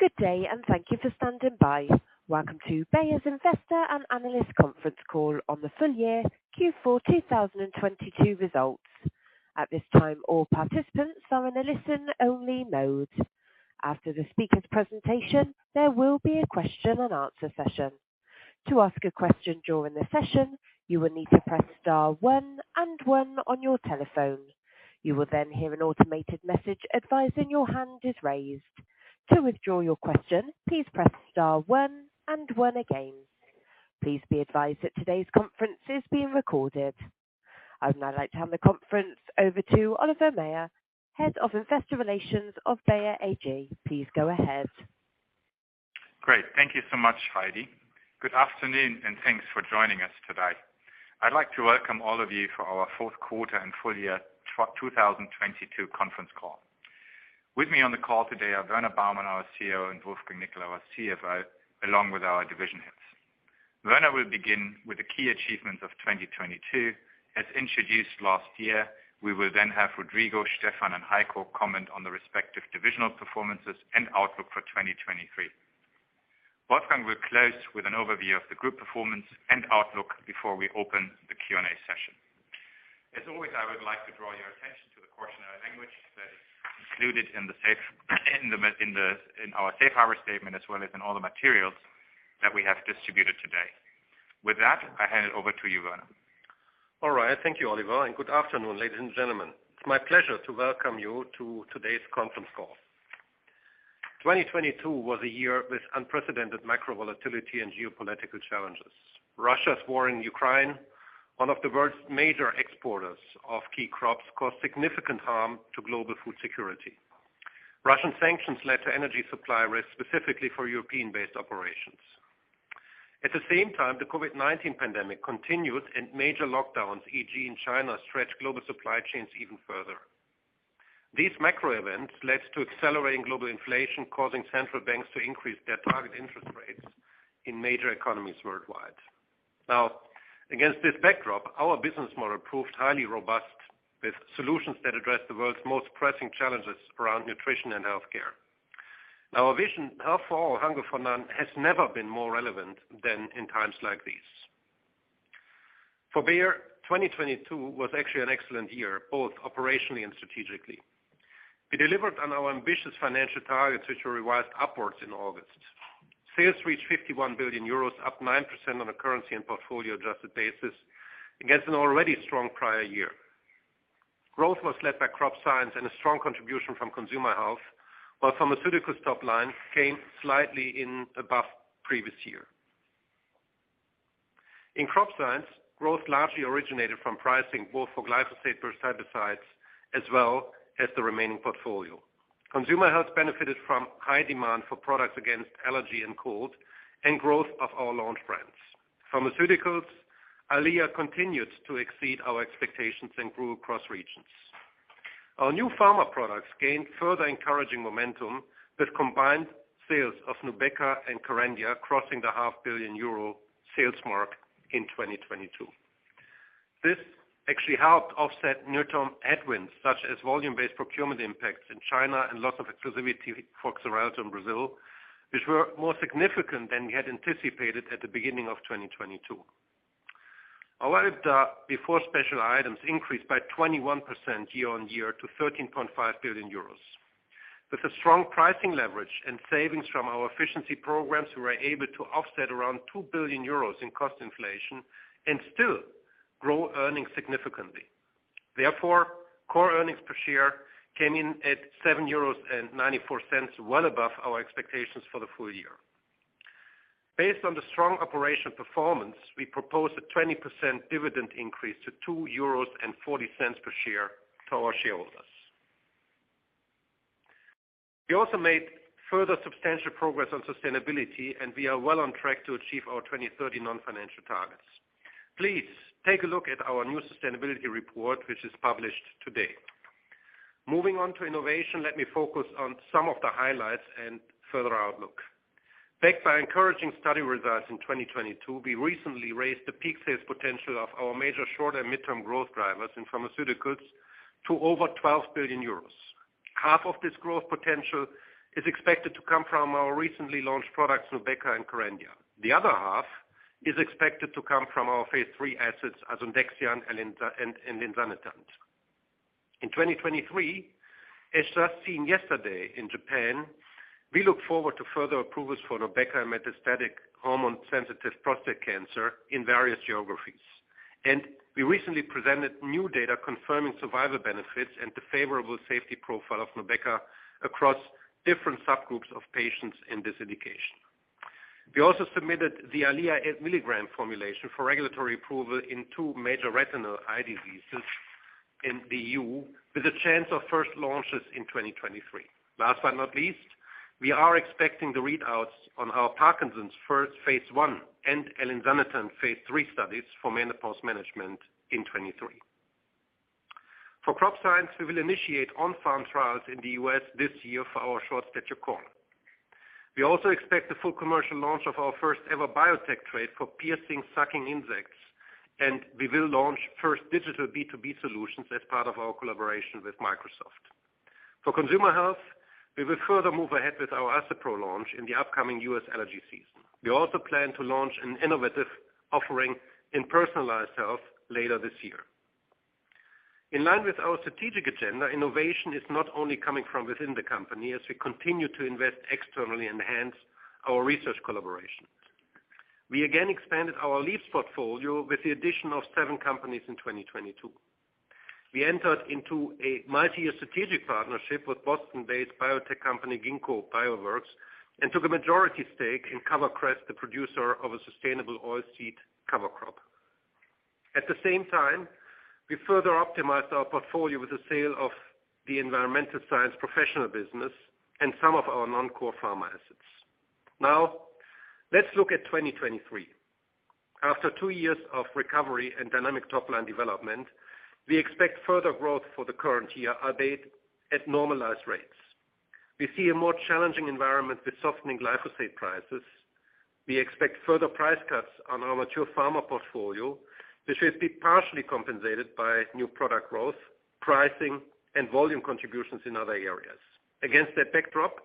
Good day and thank you for standing by. Welcome to Bayer's Investor and Analyst Conference Call on the full year Q4 2022 results. At this time, all participants are in a listen-only mode. After the speaker's presentation, there will be a question and answer session. To ask a question during the session, you will need to press star one and one on your telephone. You will then hear an automated message advising your hand is raised. To withdraw your question, please press star one and one again. Please be advised that today's conference is being recorded. I would now like to hand the conference over to Oliver Maier, Head of Investor Relations of Bayer AG. Please go ahead. Great. Thank you so much, Heidi. Good afternoon. Thanks for joining us today. I'd like to welcome all of you for our fourth quarter and full year 2022 conference call. With me on the call today are Werner Baumann, our CEO, and Wolfgang Nickl, our CFO, along with our division heads. Werner will begin with the key achievements of 2022. As introduced last year, we will then have Rodrigo, Stefan, and Heiko comment on the respective divisional performances and outlook for 2023. Wolfgang will close with an overview of the group performance and outlook before we open the Q&A session. As always, I would like to draw your attention to the cautionary language that is included in our safe harbor statement, as well as in all the materials that we have distributed today. With that, I hand it over to you, Werner. All right. Thank you, Oliver, and good afternoon, ladies and gentlemen. It's my pleasure to welcome you to today's conference call. 2022 was a year with unprecedented macro volatility and geopolitical challenges. Russia's war in Ukraine, one of the world's major exporters of key crops, caused significant harm to global food security. Russian sanctions led to energy supply risks, specifically for European-based operations. At the same time, the COVID-19 pandemic continued and major lockdowns, e.g., in China, stretched global supply chains even further. These macro events led to accelerating global inflation, causing central banks to increase their target interest rates in major economies worldwide. Now, against this backdrop, our business model proved highly robust with solutions that address the world's most pressing challenges around nutrition and healthcare. Our vision, Health for All - Hunger for None, has never been more relevant than in times like these. For Bayer, 2022 was actually an excellent year, both operationally and strategically. We delivered on our ambitious financial targets, which we revised upwards in August. Sales reached 51 billion euros, up 9% on a currency and portfolio adjusted basis against an already strong prior year. Growth was led by Crop Science and a strong contribution from Consumer Health, while Pharmaceuticals top line came slightly in above previous year. In Crop Science, growth largely originated from pricing, both for glyphosate versus herbicides as well as the remaining portfolio. Consumer Health benefited from high demand for products against allergy and cold and growth of our launch brands. Pharmaceuticals, Eylea continued to exceed our expectations and grew across regions. Our new pharma products gained further encouraging momentum with combined sales of Nubeqa and Kerendia crossing the half billion EUR sales mark in 2022. This actually helped offset near-term headwinds such as volume-based procurement impacts in China and loss of exclusivity for Xarelto in Brazil, which were more significant than we had anticipated at the beginning of 2022. Our EBITDA before special items increased by 21% year-on-year to 13.5 billion euros. With a strong pricing leverage and savings from our efficiency programs, we were able to offset around 2 billion euros in cost inflation and still grow earnings significantly. Therefore, core earnings per share came in at 7.94 euros, well above our expectations for the full year. Based on the strong operation performance, we propose a 20% dividend increase to 2.40 euros per share to our shareholders. We also made further substantial progress on sustainability. We are well on track to achieve our 2030 non-financial targets. Please take a look at our new sustainability report, which is published today. Moving on to innovation, let me focus on some of the highlights and further outlook. Backed by encouraging study results in 2022, we recently raised the peak sales potential of our major short and midterm growth drivers in Pharmaceuticals to over 12 billion euros. Half of this growth potential is expected to come from our recently launched products, Nubeqa and Kerendia. The other half is expected to come from our phase III assets, Asundexian and elinzanetant. In 2023, as just seen yesterday in Japan, we look forward to further approvals for Nubeqa metastatic hormone-sensitive prostate cancer in various geographies. We recently presented new data confirming survival benefits and the favorable safety profile of Nubeqa across different subgroups of patients in this indication. We also submitted the Eylea 8 mg formulation for regulatory approval in two major retinal eye diseases in the EU, with a chance of first launches in 2023. Last but not least, we are expecting the readouts on our Parkinson's phase I and elinzanetant phase III studies for menopause management in 2023. For Crop Science, we will initiate on-farm trials in the U.S. this year for our short stature corn. We also expect the full commercial launch of our first-ever biotech trait for piercing sucking insects. We will launch first digital B2B solutions as part of our collaboration with Microsoft. For Consumer Health, we will further move ahead with our Astepro launch in the upcoming U.S. allergy season. We also plan to launch an innovative offering in personalized health later this year. In line with our strategic agenda, innovation is not only coming from within the company as we continue to invest externally enhance our research collaborations. We again expanded our lease portfolio with the addition of seven companies in 2022. We entered into a multi-year strategic partnership with Boston-based biotech company Ginkgo Bioworks, and took a majority stake in CoverCress, the producer of a sustainable oilseed cover crop. At the same time, we further optimized our portfolio with the sale of the Environmental Science Professional business and some of our non-core pharma assets. Let's look at 2023. After two years of recovery and dynamic top line development, we expect further growth for the current year, albeit at normalized rates. We see a more challenging environment with softening glyphosate prices. We expect further price cuts on our mature pharma portfolio, which will be partially compensated by new product growth, pricing, and volume contributions in other areas. Against that backdrop,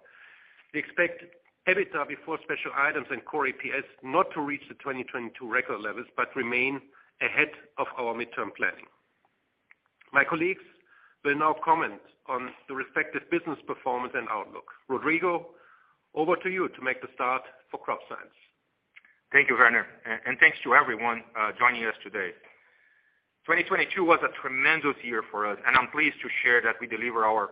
we expect EBITDA before special items and Core EPS not to reach the 2022 record levels but remain ahead of our midterm planning. My colleagues will now comment on the respective business performance and outlook. Rodrigo, over to you to make the start for Crop Science. Thank you, Werner, and thanks to everyone joining us today. 2022 was a tremendous year for us. I'm pleased to share that we deliver our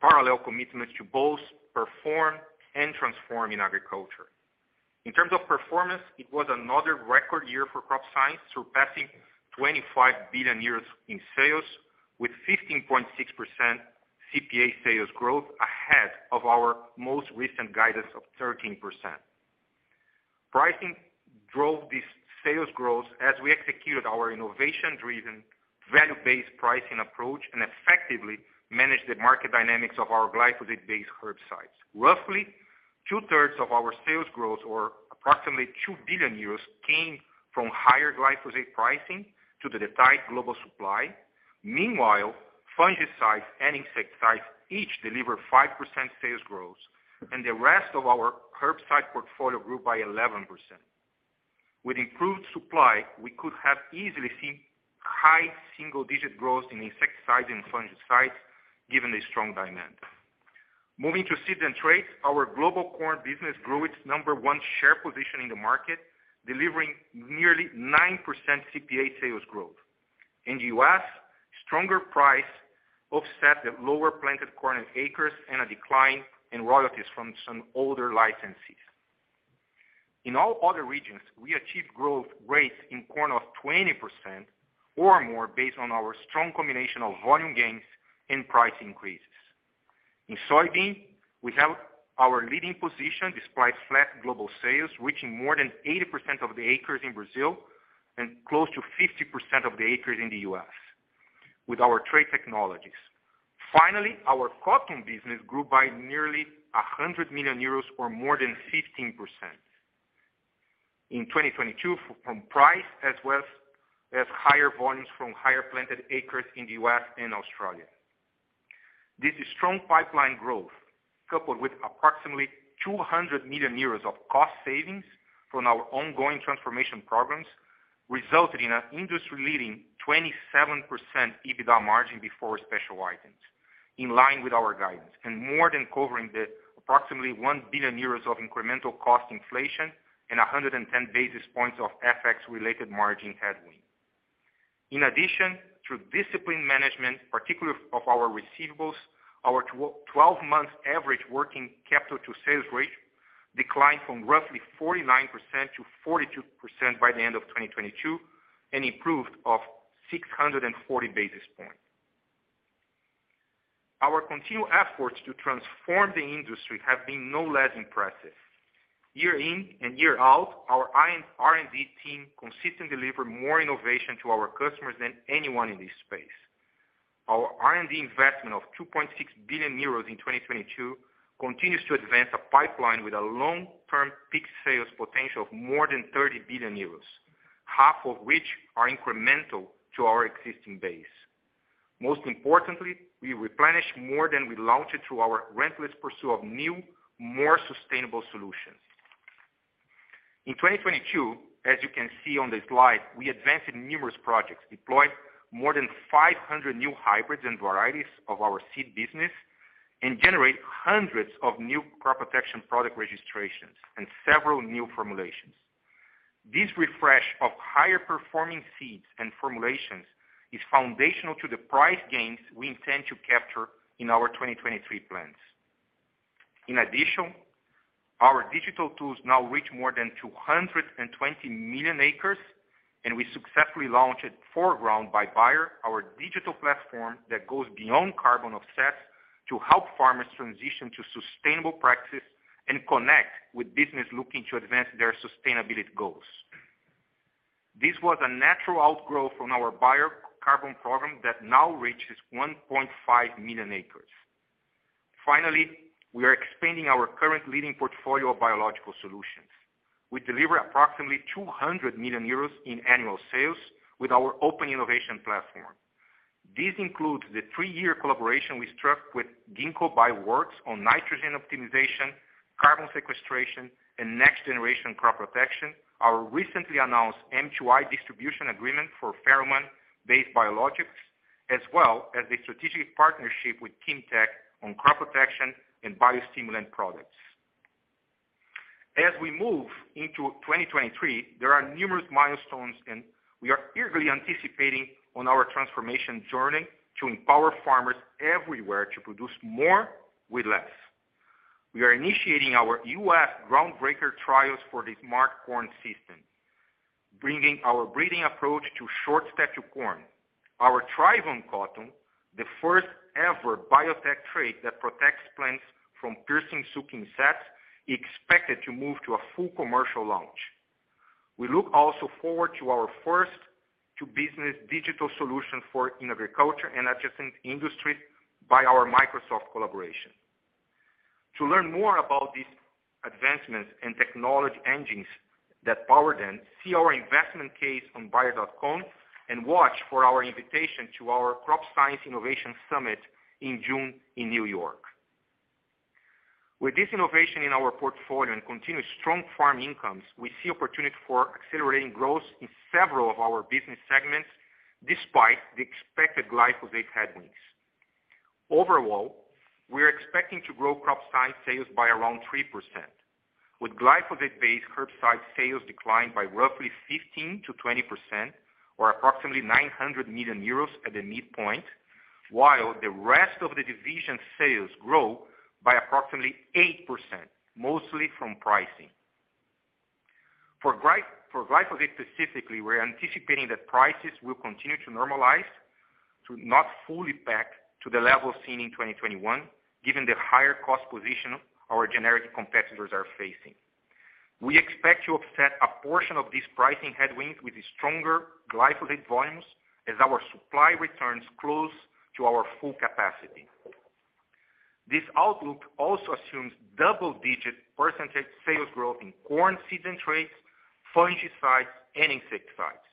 parallel commitments to both perform and transform in agriculture. In terms of performance, it was another record year for Crop Science, surpassing 25 billion euros in sales with 15.6% CPA sales growth ahead of our most recent guidance of 13%. Pricing drove this sales growth as we executed our innovation-driven, value-based pricing approach and effectively managed the market dynamics of our glyphosate-based herbicides. Roughly 2/3 of our sales growth or approximately 2 billion euros came from higher glyphosate pricing due to the tight global supply. Meanwhile, fungicides and insecticides each delivered 5% sales growth. The rest of our herbicide portfolio grew by 11%. With improved supply, we could have easily seen high single-digit growth in insecticides and fungicides given the strong demand. Moving to seed and traits, our global corn business grew its number one share position in the market, delivering nearly 9% CPA sales growth. In the U.S., stronger price offset the lower planted corn acres and a decline in royalties from some older licensees. In all other regions, we achieved growth rates in corn of 20% or more based on our strong combination of volume gains and price increases. In soybean, we held our leading position despite flat global sales, reaching more than 80% of the acres in Brazil and close to 50% of the acres in the U.S. with our trait technologies. Finally, our cotton business grew by nearly 100 million euros or more than 15%. In 2022 from price as well as higher volumes from higher planted acres in the U.S. and Australia. This strong pipeline growth, coupled with approximately 200 million euros of cost savings from our ongoing transformation programs, resulted in an industry-leading 27% EBITDA margin before special items in line with our guidance and more than covering the approximately 1 billion euros of incremental cost inflation and 110 basis points of FX-related margin headwind. In addition, through disciplined management, particularly of our receivables, our twelve-month average working capital to sales rate declined from roughly 49% to 42% by the end of 2022 and improved of 640 basis points. Our continued efforts to transform the industry have been no less impressive. Year in and year out, our R&D team consistently deliver more innovation to our customers than anyone in this space. Our R&D investment of 2.6 billion euros in 2022 continues to advance a pipeline with a long-term peak sales potential of more than 30 billion euros, half of which are incremental to our existing base. Most importantly, we replenish more than we launched through our relentless pursuit of new, more sustainable solutions. In 2022, as you can see on the slide, we advanced numerous projects, deployed more than 500 new hybrids and varieties of our seed business, and generate hundreds of new crop protection product registrations and several new formulations. This refresh of higher performing seeds and formulations is foundational to the price gains we intend to capture in our 2023 plans. Our digital tools now reach more than 220 million acres. We successfully launched ForGround by Bayer, our digital platform that goes beyond carbon offsets to help farmers transition to sustainable practices and connect with business looking to advance their sustainability goals. This was a natural outgrowth from our Bayer Carbon Program that now reaches 1.5 million acres. We are expanding our current leading portfolio of biological solutions. We deliver approximately 200 million euros in annual sales with our open innovation platform. This includes the three-year collaboration we struck with Ginkgo Bioworks on nitrogen optimization, carbon sequestration, and next-generation crop protection, our recently announced M2i distribution agreement for pheromone-based biologics, as well as a strategic partnership with Kimitec on crop protection and biostimulant products. As we move into 2023, there are numerous milestones, and we are eagerly anticipating on our transformation journey to empower farmers everywhere to produce more with less. We are initiating our U.S. groundbreaker trials for the Preceon Smart Corn System, bringing our breeding approach to short stature corn. Our ThryvOn Cotton, the first-ever biotech trait that protects plants from piercing, sucking sets, expected to move to a full commercial launch. We look also forward to our first-to-business digital solution for in agriculture and adjacent industry by our Microsoft collaboration. To learn more about these advancements and technology engines that power them, see our investment case on bayer.com and watch for our invitation to our Crop Science Innovation Summit in June in New York. With this innovation in our portfolio and continued strong farm incomes, we see opportunity for accelerating growth in several of our business segments despite the expected glyphosate headwinds. Overall, we're expecting to grow Crop Science sales by around 3%, with glyphosate-based herbicide sales declined by roughly 15% to 20% or approximately 900 million euros at the midpoint, while the rest of the division sales grow by approximately 8%, mostly from pricing. For glyphosate specifically, we're anticipating that prices will continue to normalize to not fully back to the level seen in 2021, given the higher cost position our generic competitors are facing. We expect to offset a portion of this pricing headwind with the stronger glyphosate volumes as our supply returns close to our full capacity. This outlook also assumes double-digit percentage sales growth in corn seeds and traits, fungicides, and insecticides,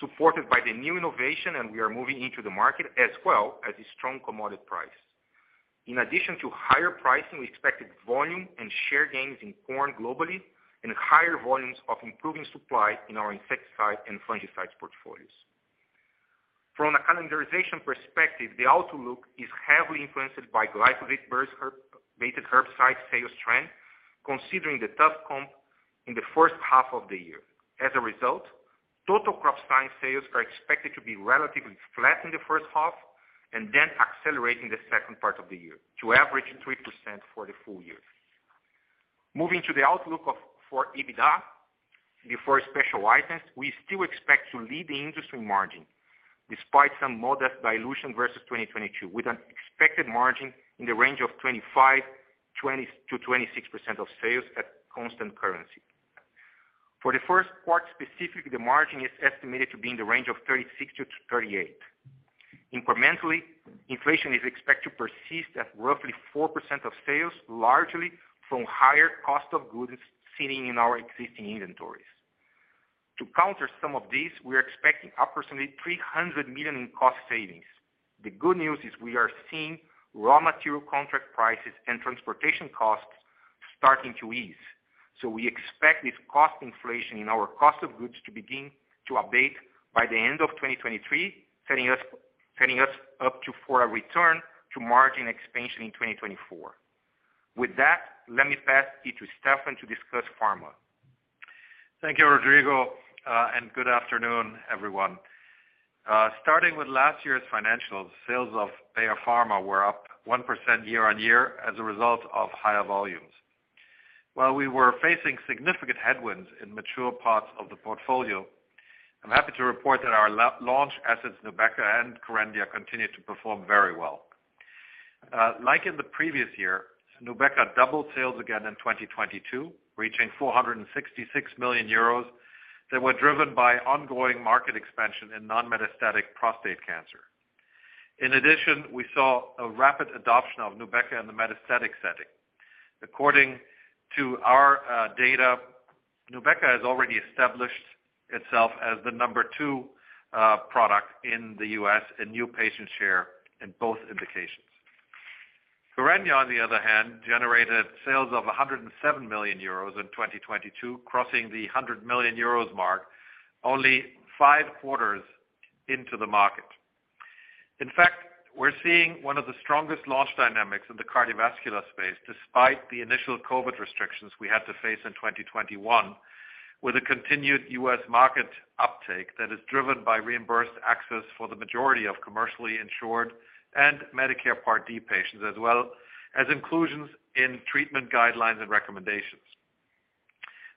supported by the new innovation, and we are moving into the market as well as a strong commodity price. In addition to higher pricing, we expected volume and share gains in corn globally and higher volumes of improving supply in our insecticide and fungicides portfolios. From a calendarization perspective, the outlook is heavily influenced by glyphosate burst herb-based herbicide sales trend, considering the tough comp in the first half of the year. Total Crop Science sales are expected to be relatively flat in the first half and then accelerating the second part of the year to average 3% for the full year. Moving to the outlook for EBITDA before special items, we still expect to lead the industry margin despite some modest dilution versus 2022, with an expected margin in the range of 25% to 26% of sales at constant currency. For the first part, specifically, the margin is estimated to be in the range of 36% to 38%. Incrementally, inflation is expected to persist at roughly 4% of sales, largely from higher cost of goods seen in our existing inventories. To counter some of these, we are expecting approximately 300 million in cost savings. The good news is we are seeing raw material contract prices and transportation costs starting to ease. We expect this cost inflation in our cost of goods to begin to abate by the end of 2023, setting us up for a return to margin expansion in 2024. With that, let me pass it to Steffen to discuss Bayer Pharma. Thank you, Rodrigo, and good afternoon, everyone. Starting with last year's financials, sales of Bayer Pharma were up 1% year-on-year as a result of higher volumes. While we were facing significant headwinds in mature parts of the portfolio, I'm happy to report that our launch assets, Nubeqa and Kerendia, continued to perform very well. Like in the previous year, Nubeqa doubled sales again in 2022, reaching 466 million euros that were driven by ongoing market expansion in non-metastatic prostate cancer. In addition, we saw a rapid adoption of Nubeqa in the metastatic setting. According to our data, Nubeqa has already established itself as the number two product in the U.S. and new patient share in both indications. Kerendia, on the other hand, generated sales of 107 million euros in 2022, crossing the 100 million euros mark only five quarters into the market. In fact, we're seeing one of the strongest launch dynamics in the cardiovascular space despite the initial COVID-19 restrictions we had to face in 2021, with a continued U.S. market uptake that is driven by reimbursed access for the majority of commercially insured and Medicare Part D patients, as well as inclusions in treatment guidelines and recommendations.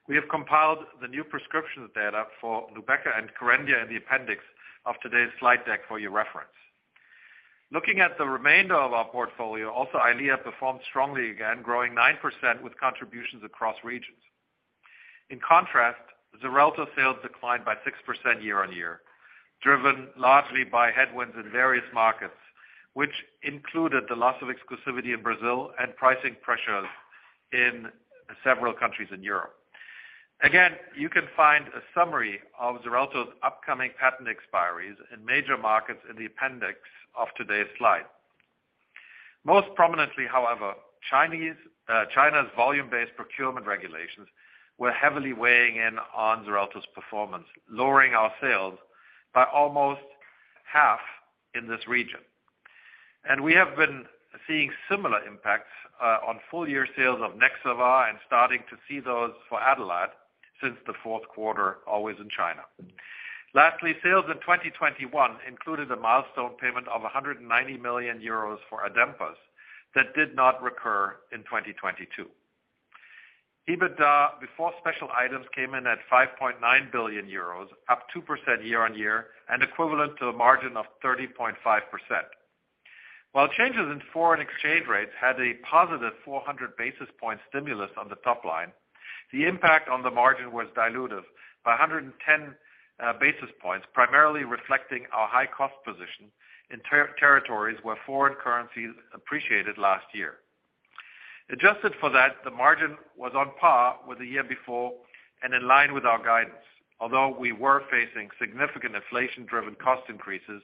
We have compiled the new prescriptions data for Nubeqa and Kerendia in the appendix of today's slide deck for your reference. Looking at the remainder of our portfolio, also Eylea performed strongly, growing 9% with contributions across regions. In contrast, Xarelto sales declined by 6% year-over-year, driven largely by headwinds in various markets, which included the loss of exclusivity in Brazil and pricing pressures in several countries in Europe. You can find a summary of Xarelto's upcoming patent expiries in major markets in the appendix of today's slide. Most prominently, however, China's volume-based procurement regulations were heavily weighing in on Xarelto's performance, lowering our sales by almost half in this region. We have been seeing similar impacts on full-year sales of Nexavar and starting to see those for Adalat since the fourth quarter, always in China. Lastly, sales in 2021 included a milestone payment of 190 million euros for Adempas that did not recur in 2022. EBITDA, before special items, came in at 5.9 billion euros, up 2% year-on-year and equivalent to a margin of 30.5%. While changes in foreign exchange rates had a positive 400 basis point stimulus on the top line, the impact on the margin was dilutive by 110 basis points, primarily reflecting our high-cost position in territories where foreign currencies appreciated last year. Adjusted for that, the margin was on par with the year before and in line with our guidance. Although we were facing significant inflation-driven cost increases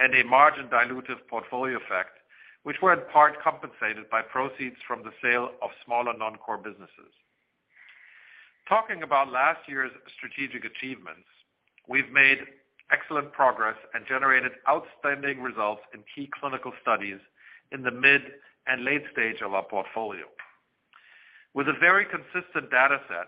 and a margin dilutive portfolio effect, which were in part compensated by proceeds from the sale of smaller non-core businesses. Talking about last year's strategic achievements, we've made excellent progress and generated outstanding results in key clinical studies in the mid and late stage of our portfolio. With a very consistent data set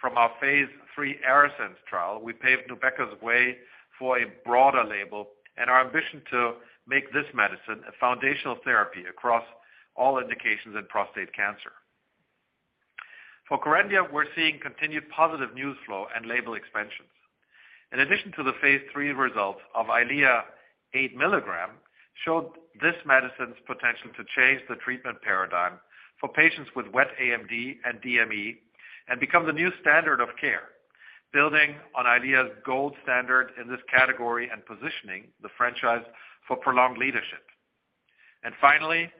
from our phase III ARASENS trial, we paved Nubeqa's way for a broader label and our ambition to make this medicine a foundational therapy across all indications in prostate cancer. For Kerendia, we're seeing continued positive news flow and label expansions. In addition to the phase III results of Eylea 8 mg showed this medicine's potential to change the treatment paradigm for patients with wet AMD and DME and become the new standard of care, building on Eylea's gold standard in this category and positioning the franchise for prolonged leadership. Finally,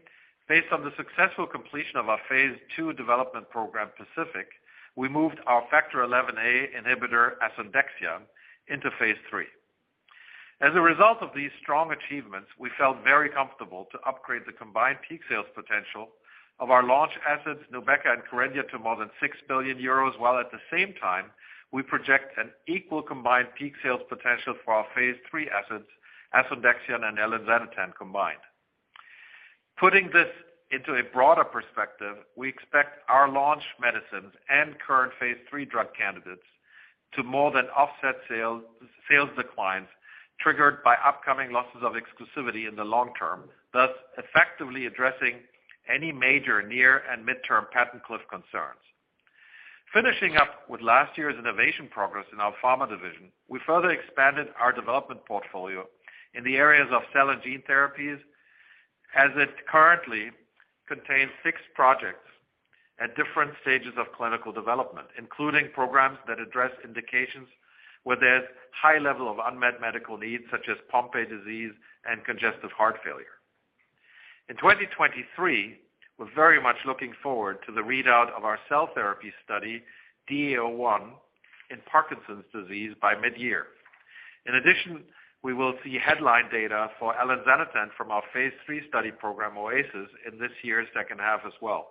based on the successful completion of our phase II development program, PACIFIC, we moved our Factor XIa inhibitor, Asundexian, into phase III. As a result of these strong achievements, we felt very comfortable to upgrade the combined peak sales potential of our launch assets, Nubeqa and Kerendia, to more than 6 billion euros, while at the same time, we project an equal combined peak sales potential for our phase III assets, Asundexian and elinzanetant combined. Putting this into a broader perspective, we expect our launch medicines and current phase III drug candidates to more than offset sales declines triggered by upcoming losses of exclusivity in the long term, thus effectively addressing any major near and midterm patent cliff concerns. Finishing up with last year's innovation progress in our Pharmaceuticals division, we further expanded our development portfolio in the areas of cell and gene therapies, as it currently contains six projects at different stages of clinical development, including programs that address indications where there's high level of unmet medical needs, such as Pompe disease and congestive heart failure. In 2023, we're very much looking forward to the readout of our cell therapy study, DA01, in Parkinson's disease by mid-year. In addition, we will see headline data for elinzanetant from our phase III study program, OASIS, in this year's second half as well.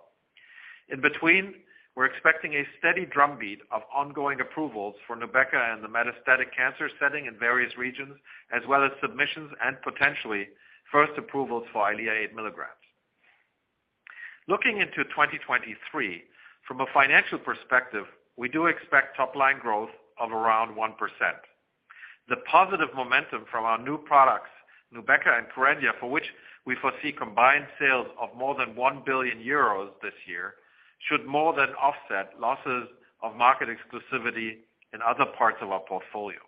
In between, we're expecting a steady drumbeat of ongoing approvals for Nubeqa in the metastatic cancer setting in various regions, as well as submissions and potentially first approvals for Eylea 8 mg. Looking into 2023, from a financial perspective, we do expect top line growth of around 1%. The positive momentum from our new products, Nubeqa and Kerendia, for which we foresee combined sales of more than 1 billion euros this year, should more than offset losses of market exclusivity in other parts of our portfolio.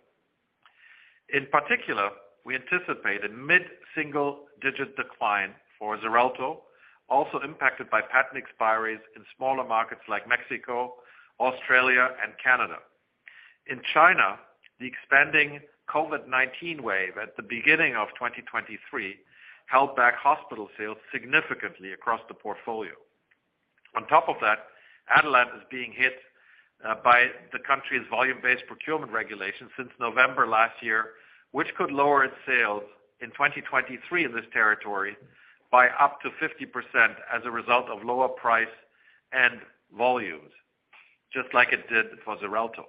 In particular, we anticipate a mid-single-digit decline for Xarelto, also impacted by patent expiries in smaller markets like Mexico, Australia, and Canada. In China, the expanding COVID-19 wave at the beginning of 2023 held back hospital sales significantly across the portfolio. On top of that, Adalat is being hit by the country's volume-based procurement regulations since November last year, which could lower its sales in 2023 in this territory by up to 50% as a result of lower price and volumes, just like it did for Xarelto.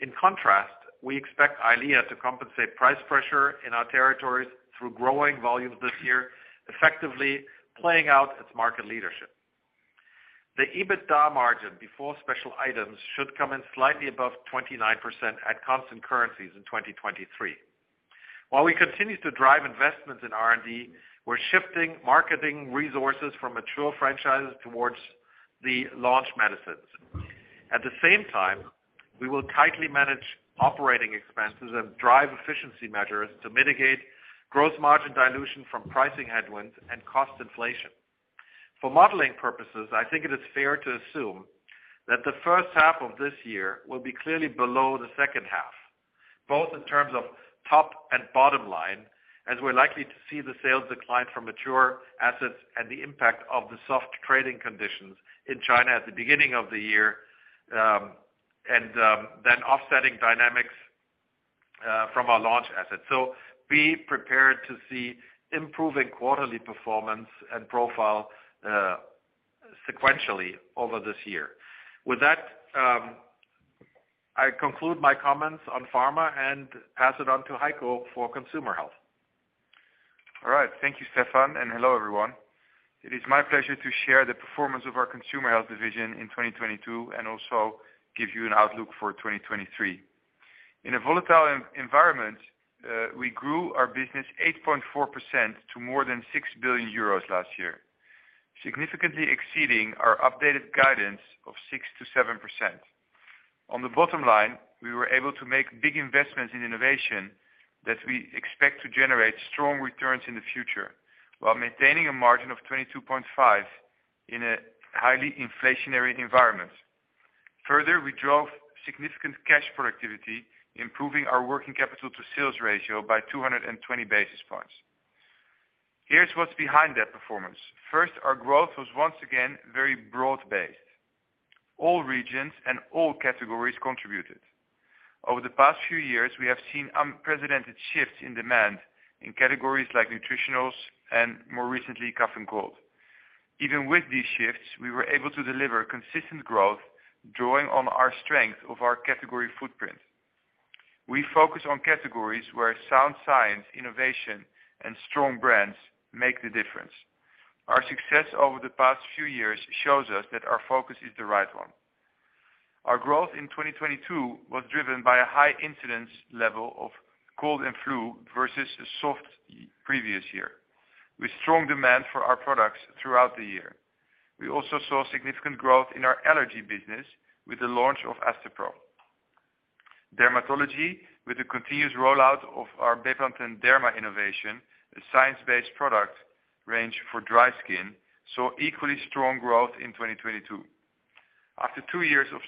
In contrast, we expect Eylea to compensate price pressure in our territories through growing volumes this year, effectively playing out its market leadership. The EBITDA margin before special items should come in slightly above 29% at constant currencies in 2023. While we continue to drive investments in R&D, we're shifting marketing resources from mature franchises towards the launch medicines. At the same time, we will tightly manage operating expenses and drive efficiency measures to mitigate gross margin dilution from pricing headwinds and cost inflation. For modeling purposes, I think it is fair to assume that the first half of this year will be clearly below the second half, both in terms of top and bottom line, as we're likely to see the sales decline from mature assets and the impact of the soft trading conditions in China at the beginning of the year, and then offsetting dynamics from our launch assets. Be prepared to see improving quarterly performance and profile sequentially over this year. With that, I conclude my comments on pharma and pass it on to Heiko for Consumer Health. All right. Thank you, Stefan. Hello, everyone. It is my pleasure to share the performance of our Consumer Health division in 2022 and also give you an outlook for 2023. In a volatile environment, we grew our business 8.4% to more than 6 billion euros last year, significantly exceeding our updated guidance of 6% to 7%. On the bottom line, we were able to make big investments in innovation that we expect to generate strong returns in the future while maintaining a margin of 22.5% in a highly inflationary environment. Further, we drove significant cash productivity, improving our working capital to sales ratio by 220 basis points. Here's what's behind that performance. First, our growth was once again very broad-based. All regions and all categories contributed. Over the past few years, we have seen unprecedented shifts in demand in categories like Nutritionals and more recently, Cough and Cold. Even with these shifts, we were able to deliver consistent growth, drawing on our strength of our category footprint. We focus on categories where sound science, innovation, and strong brands make the difference. Our success over the past few years shows us that our focus is the right one. Our growth in 2022 was driven by a high incidence level of cold and flu versus a soft previous year, with strong demand for our products throughout the year. We also saw significant growth in our allergy business with the launch of Astepro. Dermatology, with the continuous rollout of our Bepanthen Derma innovation, a science-based product range for dry skin, saw equally strong growth in 2022. After two years of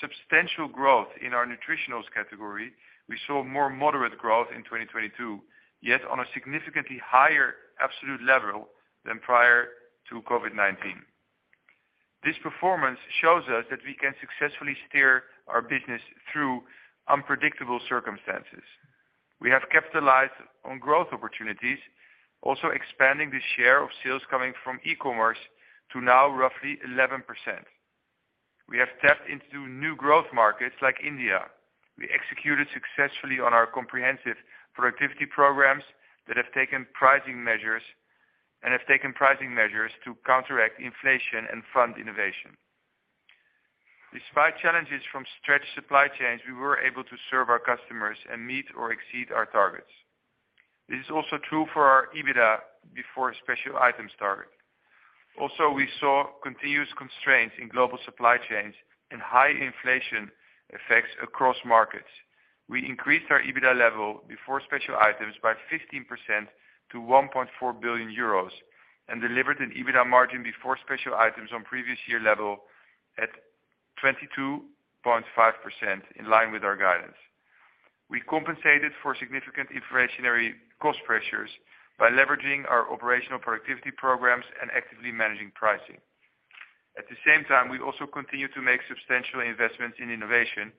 substantial growth in our Nutritionals category, we saw more moderate growth in 2022, yet on a significantly higher absolute level than prior to COVID-19. This performance shows us that we can successfully steer our business through unpredictable circumstances. We have capitalized on growth opportunities, also expanding the share of sales coming from e-commerce to now roughly 11%. We have tapped into new growth markets like India. We executed successfully on our comprehensive productivity programs that have taken pricing measures and have taken pricing measures to counteract inflation and fund innovation. Despite challenges from stretched supply chains, we were able to serve our customers and meet or exceed our targets. This is also true for our EBITDA before special items target. Also, we saw continuous constraints in global supply chains and high inflation effects across markets. We increased our EBITDA level before special items by 15% to 1.4 billion euros and delivered an EBITDA margin before special items on previous year level at 22.5% in line with our guidance. We compensated for significant inflationary cost pressures by leveraging our operational productivity programs and actively managing pricing. At the same time, we also continued to make substantial investments in innovation,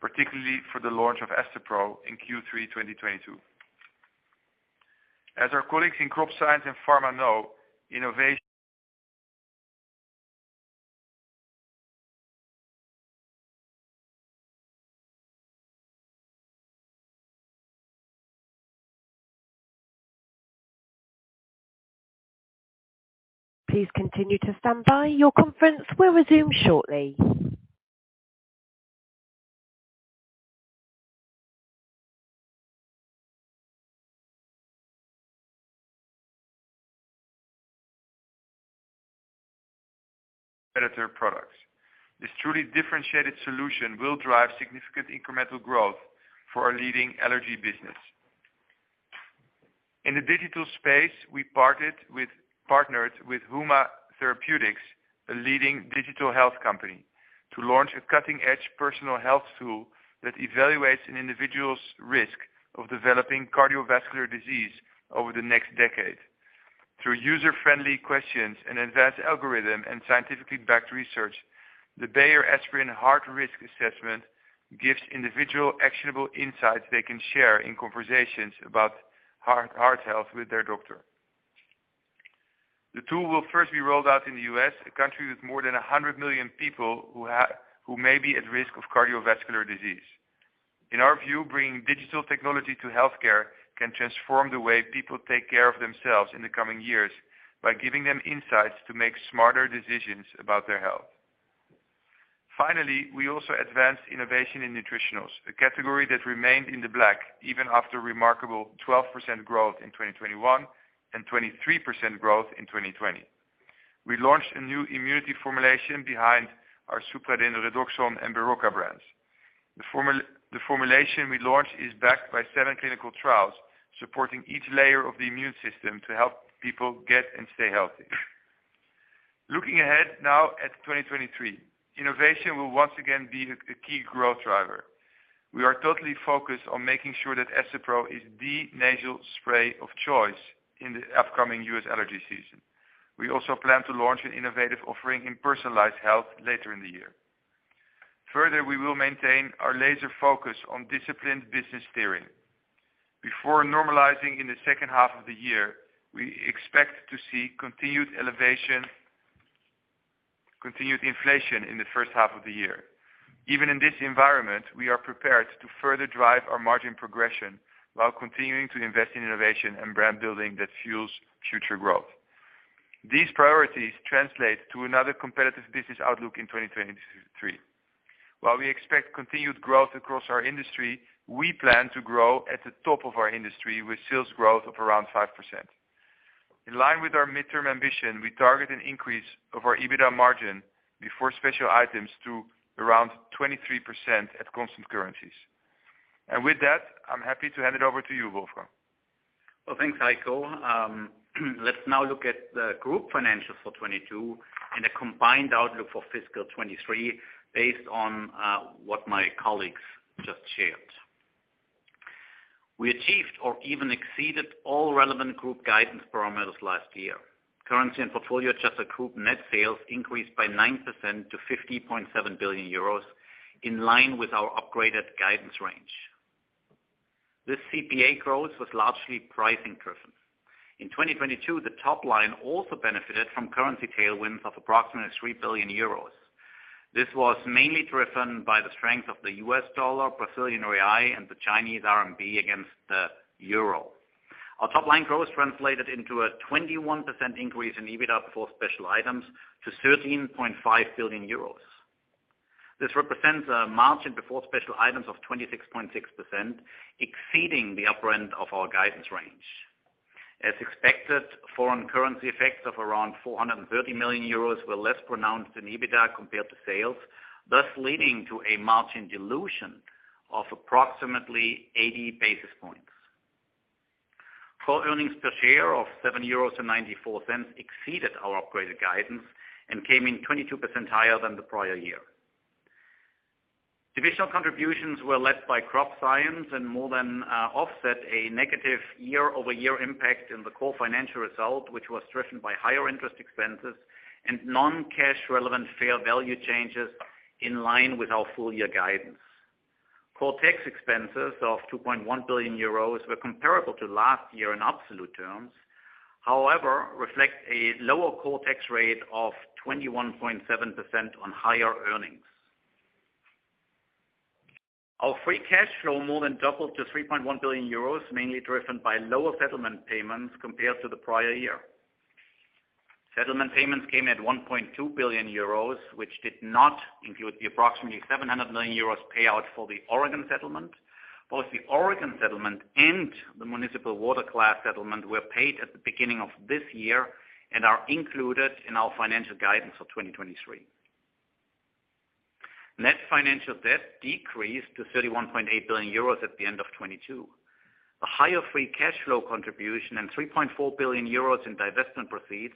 particularly for the launch of Astepro in Q3, 2022. As our colleagues in Crop Science and Pharma know. Please continue to stand by. Your conference will resume shortly. Competitor products. This truly differentiated solution will drive significant incremental growth for our leading allergy business. In the digital space, we partnered with Huma Therapeutics, a leading digital health company, to launch a cutting-edge personal health tool that evaluates an individual's risk of developing cardiovascular disease over the next decade. Through user-friendly questions, an advanced algorithm, and scientifically backed research, the Bayer Aspirin Heart Health Risk Assessment gives individual actionable insights they can share in conversations about heart health with their doctor. The tool will first be rolled out in the U.S., a country with more than 100 million people who may be at risk of cardiovascular disease. In our view, bringing digital technology to healthcare can transform the way people take care of themselves in the coming years by giving them insights to make smarter decisions about their health. Finally, we also advanced innovation in Nutritionals, a category that remained in the black even after remarkable 12% growth in 2021 and 23% growth in 2020. We launched a new immunity formulation behind our Supradyn, Redoxon, and Berocca brands. The formulation we launched is backed by seven clinical trials, supporting each layer of the immune system to help people get and stay healthy. Looking ahead now at 2023, innovation will once again be a key growth driver. We are totally focused on making sure that Astepro is the nasal spray of choice in the upcoming U.S. allergy season. We also plan to launch an innovative offering in personalized health later in the year. Further, we will maintain our laser focus on disciplined business steering. Before normalizing in the second half of the year, we expect to see continued elevation, continued inflation in the first half of the year. Even in this environment, we are prepared to further drive our margin progression while continuing to invest in innovation and brand building that fuels future growth. These priorities translate to another competitive business outlook in 2023. While we expect continued growth across our industry, we plan to grow at the top of our industry with sales growth of around 5%. In line with our midterm ambition, we target an increase of our EBITDA margin before special items to around 23% at constant currencies. With that, I'm happy to hand it over to you, Wolfgang. Well, thanks, Heiko. Let's now look at the group financials for 2022 and a combined outlook for fiscal 2023 based on what my colleagues just shared. We achieved or even exceeded all relevant group guidance parameters last year. Currency and portfolio adjusted group net sales increased by 9% to 50.7 billion euros in line with our upgraded guidance range. This CPA growth was largely pricing driven. In 2022, the top line also benefited from currency tailwinds of approximately 3 billion euros. This was mainly driven by the strength of the US dollar, Brazilian real, and the Chinese RMB against the euro. Our top line growth translated into a 21% increase in EBITDA before special items to 13.5 billion euros. This represents a margin before special items of 26.6%, exceeding the upper end of our guidance range. As expected, foreign currency effects of around 430 million euros were less pronounced than EBITDA compared to sales, thus leading to a margin dilution of approximately 80 basis points. Core earnings per share of 7.94 euros exceeded our upgraded guidance and came in 22% higher than the prior year. Divisional contributions were led by Crop Science and more than offset a negative year-over-year impact in the core financial result, which was driven by higher interest expenses and non-cash relevant fair value changes in line with our full year guidance. Core tax expenses of 2.1 billion euros were comparable to last year in absolute terms. Reflect a lower core tax rate of 21.7% on higher earnings. Our free cash flow more than doubled to 3.1 billion euros, mainly driven by lower settlement payments compared to the prior year. Settlement payments came at 1.2 billion euros, which did not include the approximately 700 million euros payout for the Oregon settlement. Both the Oregon settlement and the municipal water class settlement were paid at the beginning of this year and are included in our financial guidance for 2023. Net financial debt decreased to 31.8 billion euros at the end of 2022. A higher free cash flow contribution and 3.4 billion euros in divestment proceeds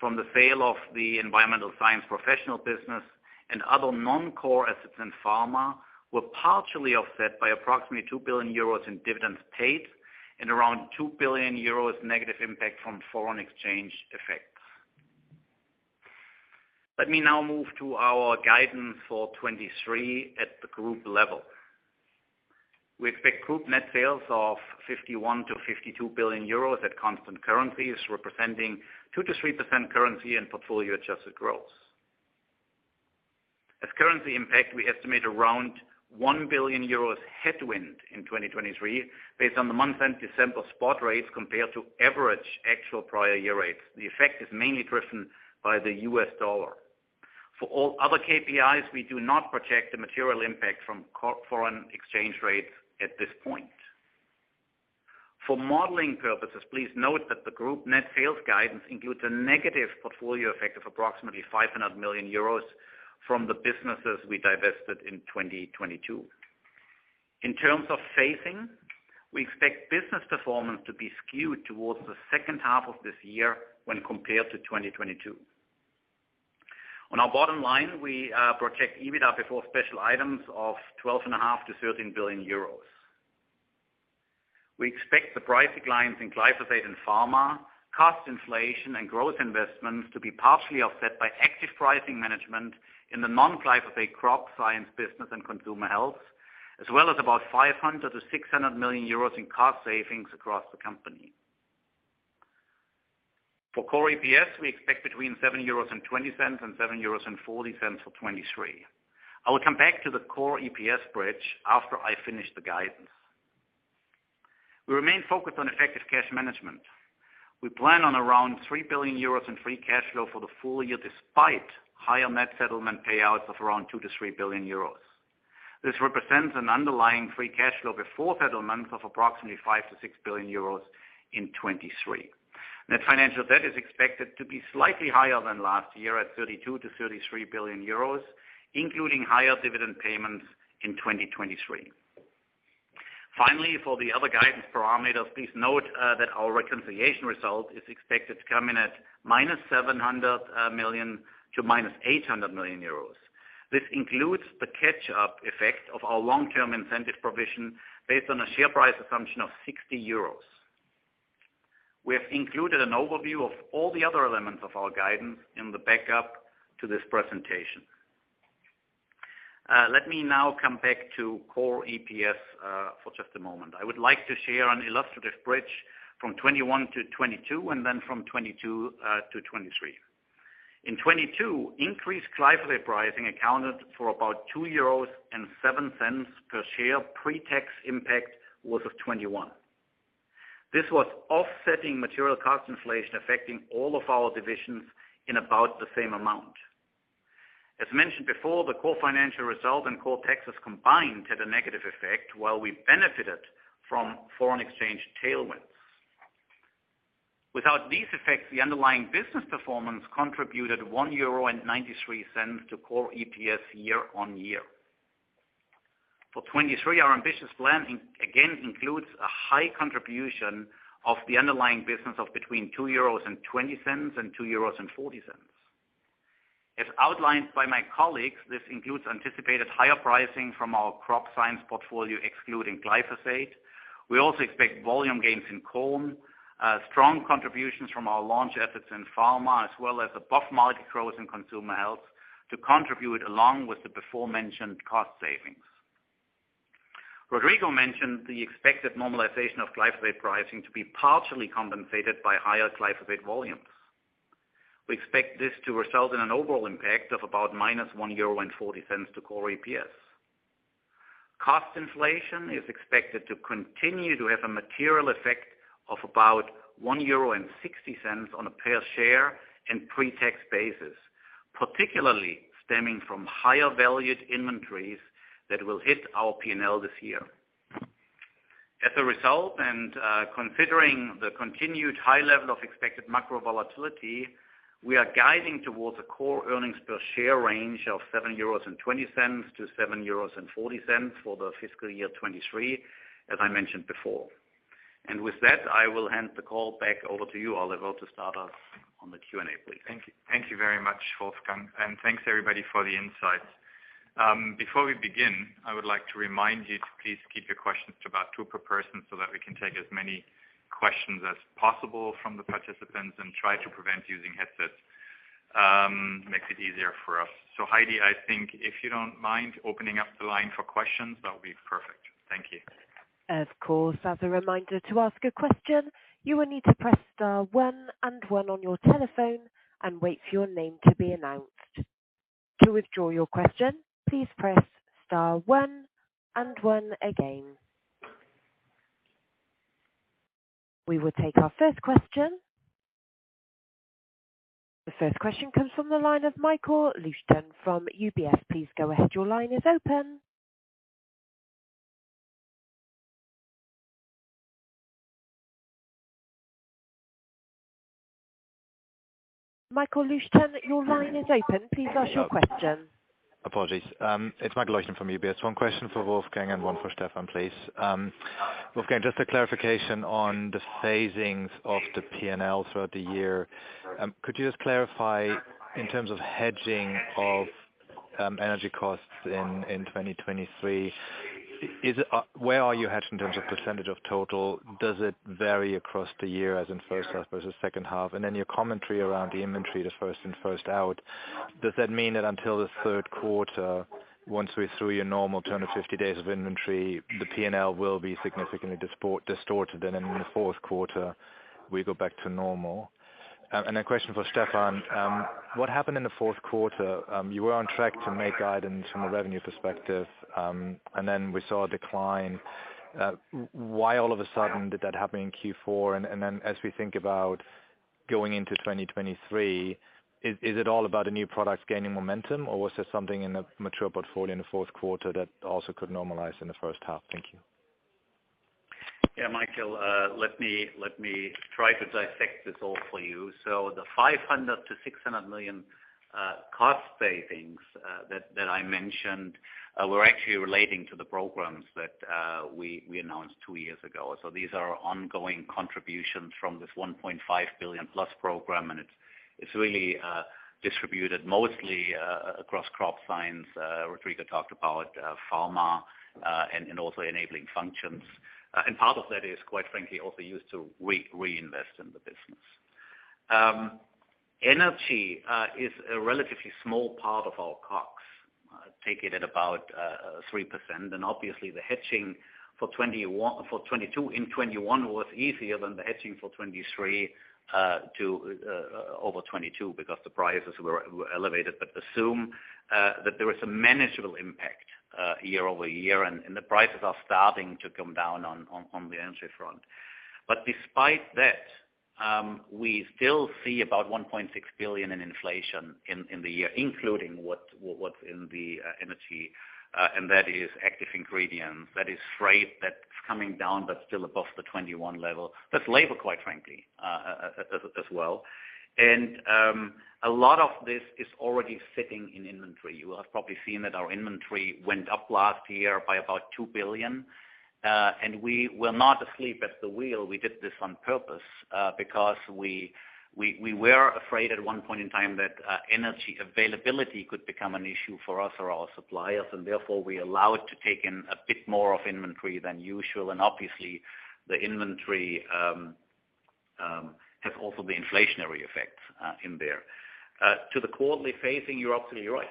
from the sale of the Environmental Science Professional business and other non-core assets in pharma were partially offset by approximately 2 billion euros in dividends paid and around 2 billion euros negative impact from foreign exchange effects. Let me now move to our guidance for 2023 at the group level. We expect group net sales of 51 billion to 52 billion euros at constant currencies, representing 2% to 3% currency and portfolio adjusted growth. As currency impact, we estimate around 1 billion euros headwind in 2023 based on the month end December spot rates compared to average actual prior year rates. The effect is mainly driven by the U.S. dollar. For all other KPIs, we do not protect the material impact from foreign exchange rates at this point. For modeling purposes, please note that the group net sales guidance includes a negative portfolio effect of approximately 500 million euros from the businesses we divested in 2022. In terms of phasing, we expect business performance to be skewed towards the second half of this year when compared to 2022. On our bottom line, we project EBITDA before special items of twelve and a half billion EUR to 13 billion euros. We expect the price declines in glyphosate and pharma, cost inflation and growth investments to be partially offset by active pricing management in the non-glyphosate Crop Science business and Consumer Health, as well as about 500 million to 600 million euros in cost savings across the company. For Core EPS, we expect between 7.20 euros and 7.40 euros for 2023. I will come back to the Core EPS bridge after I finish the guidance. We remain focused on effective cash management. We plan on around 3 billion euros in free cash flow for the full year, despite higher net settlement payouts of around 2 billion to 3 billion euros. This represents an underlying free cash flow before settlement of approximately 5 billion to 6 billion euros in 2023. Net financial debt is expected to be slightly higher than last year at 32 billion to 33 billion euros, including higher dividend payments in 2023. Finally, for the other guidance parameters, please note that our reconciliation result is expected to come in at -700 million to -800 million euros. This includes the catch-up effect of our long-term incentive provision based on a share price assumption of 60 euros. We have included an overview of all the other elements of our guidance in the backup to this presentation. Let me now come back to Core EPS for just a moment. I would like to share an illustrative bridge from 2021 to 2022, and then from 2022 to 2023. In 2022, increased glyphosate pricing accounted for about 2.07 euros per share. Pre-tax impact was of 21.00. This was offsetting material cost inflation affecting all of our divisions in about the same amount. As mentioned before, the core financial result and core taxes combined had a negative effect while we benefited from foreign exchange tailwinds. Without these effects, the underlying business performance contributed 1.93 euro to core EPS year-on-year. For 2023, our ambitious plan again includes a high contribution of the underlying business of between 2.20 euros and 2.40 euros. As outlined by my colleagues, this includes anticipated higher pricing from our Crop Science portfolio, excluding glyphosate. We also expect volume gains in corn, strong contributions from our launch efforts in Pharma, as well as above-market growth in Consumer Health to contribute along with the beforementioned cost savings. Rodrigo mentioned the expected normalization of glyphosate pricing to be partially compensated by higher glyphosate volumes. We expect this to result in an overall impact of about minus 1.40 euro to core EPS. Cost inflation is expected to continue to have a material effect of about 1.60 euro on a per-share and pre-tax basis, particularly stemming from higher valued inventories that will hit our P&L this year. As a result, considering the continued high level of expected macro volatility, we are guiding towards a core earnings per share range of 7.20 euros to 7.40 euros for the fiscal year 2023, as I mentioned before. With that, I will hand the call back over to you, Oliver, to start us on the Q&A, please. Thank you. Thank you very much, Wolfgang. Thanks everybody for the insights. Before we begin, I would like to remind you to please keep your questions to about two per person so that we can take as many questions as possible from the participants and try to prevent using headsets. Makes it easier for us. Heidi, I think if you don't mind opening up the line for questions, that would be perfect. Thank you. Of course. As a reminder, to ask a question, you will need to press star one and one on your telephone and wait for your name to be announced. To withdraw your question, please press star one and one again. We will take our first question. The first question comes from the line of Michael Leuchten from UBS. Please go ahead. Your line is open. Michael Leuchten, your line is open. Please ask your question. Apologies. It's Michael Leuchten from UBS. One question for Wolfgang and one for Stefan, please. Wolfgang, just a clarification on the phasings of the P&L throughout the year. Could you just clarify in terms of hedging of energy costs in 2023? Where are you hedged in terms of percentage of total? Does it vary across the year as in first half versus second half? Your commentary around the inventory, the first in, first out, does that mean that until the third quarter, once we're through your normal turn of 50 days of inventory, the P&L will be significantly distorted, and in the fourth quarter we go back to normal? A question for Stefan. What happened in the fourth quarter? You were on track to make guidance from a revenue perspective, and then we saw a decline. Why all of a sudden did that happen in Q4? As we think about going into 2023, is it all about the new products gaining momentum, or was there something in the mature portfolio in the fourth quarter that also could normalize in the first half? Thank you. Yeah, Michael, let me try to dissect this all for you. The 500 million to 600 million cost savings that I mentioned were actually relating to the programs that we announced two years ago. These are ongoing contributions from this 1.5 billion+ program, and it's really distributed mostly across Crop Science, Rodrigo talked about Pharma, and also enabling functions. Part of that is, quite frankly, also used to reinvest in the business. Energy is a relatively small part of our costs, take it at about 3%. Obviously the hedging for 2022 and 2021 was easier than the hedging for 2023 to over 2022 because the prices were elevated. Assume that there is a manageable impact year-over-year and the prices are starting to come down on the energy front. Despite that, we still see about 1.6 billion in inflation in the year, including what's in the energy, and that is active ingredients, that is freight, that It's coming down, but still above the 21 level. That's labor, quite frankly, as well. A lot of this is already sitting in inventory. You will have probably seen that our inventory went up last year by about 2 billion. We were not asleep at the wheel. We did this on purpose because we were afraid at one point in time that energy availability could become an issue for us or our suppliers, and therefore, we allow it to take in a bit more of inventory than usual. Obviously, the inventory has also the inflationary effects in there. To the quarterly phasing, you're absolutely right.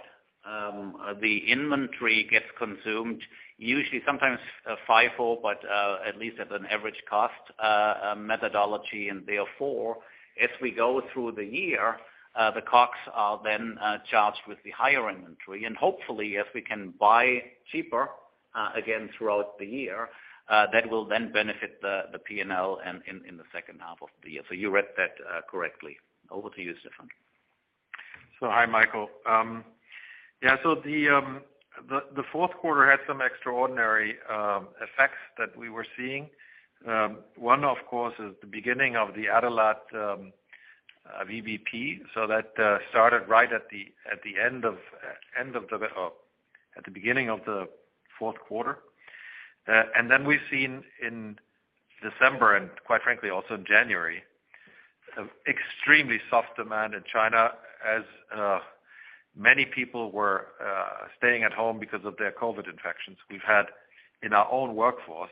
The inventory gets consumed, usually, sometimes FIFO, but at least at an average cost methodology. As we go through the year, the COGS are then, charged with the higher inventory. Hopefully, if we can buy cheaper, again throughout the year, that will then benefit the P&L and in the second half of the year. You read that, correctly. Over to you, Stefan. Hi, Michael. Yeah, the fourth quarter had some extraordinary effects that we were seeing. One, of course, is the beginning of the Adalat VBP. That started right at the beginning of the fourth quarter. We've seen in December and quite frankly, also in January, extremely soft demand in China as many people were staying at home because of their COVID infections. We've had in our own workforce,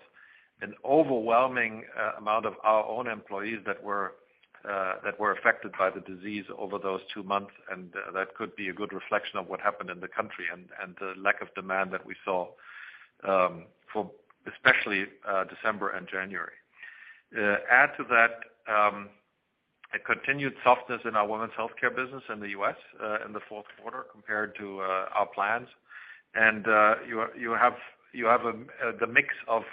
an overwhelming amount of our own employees that were affected by the disease over those two months, and that could be a good reflection of what happened in the country and the lack of demand that we saw for especially December and January. add to that, a continued softness in our women's healthcare business in the U.S., in the fourth quarter compared to our plans. You have the mix of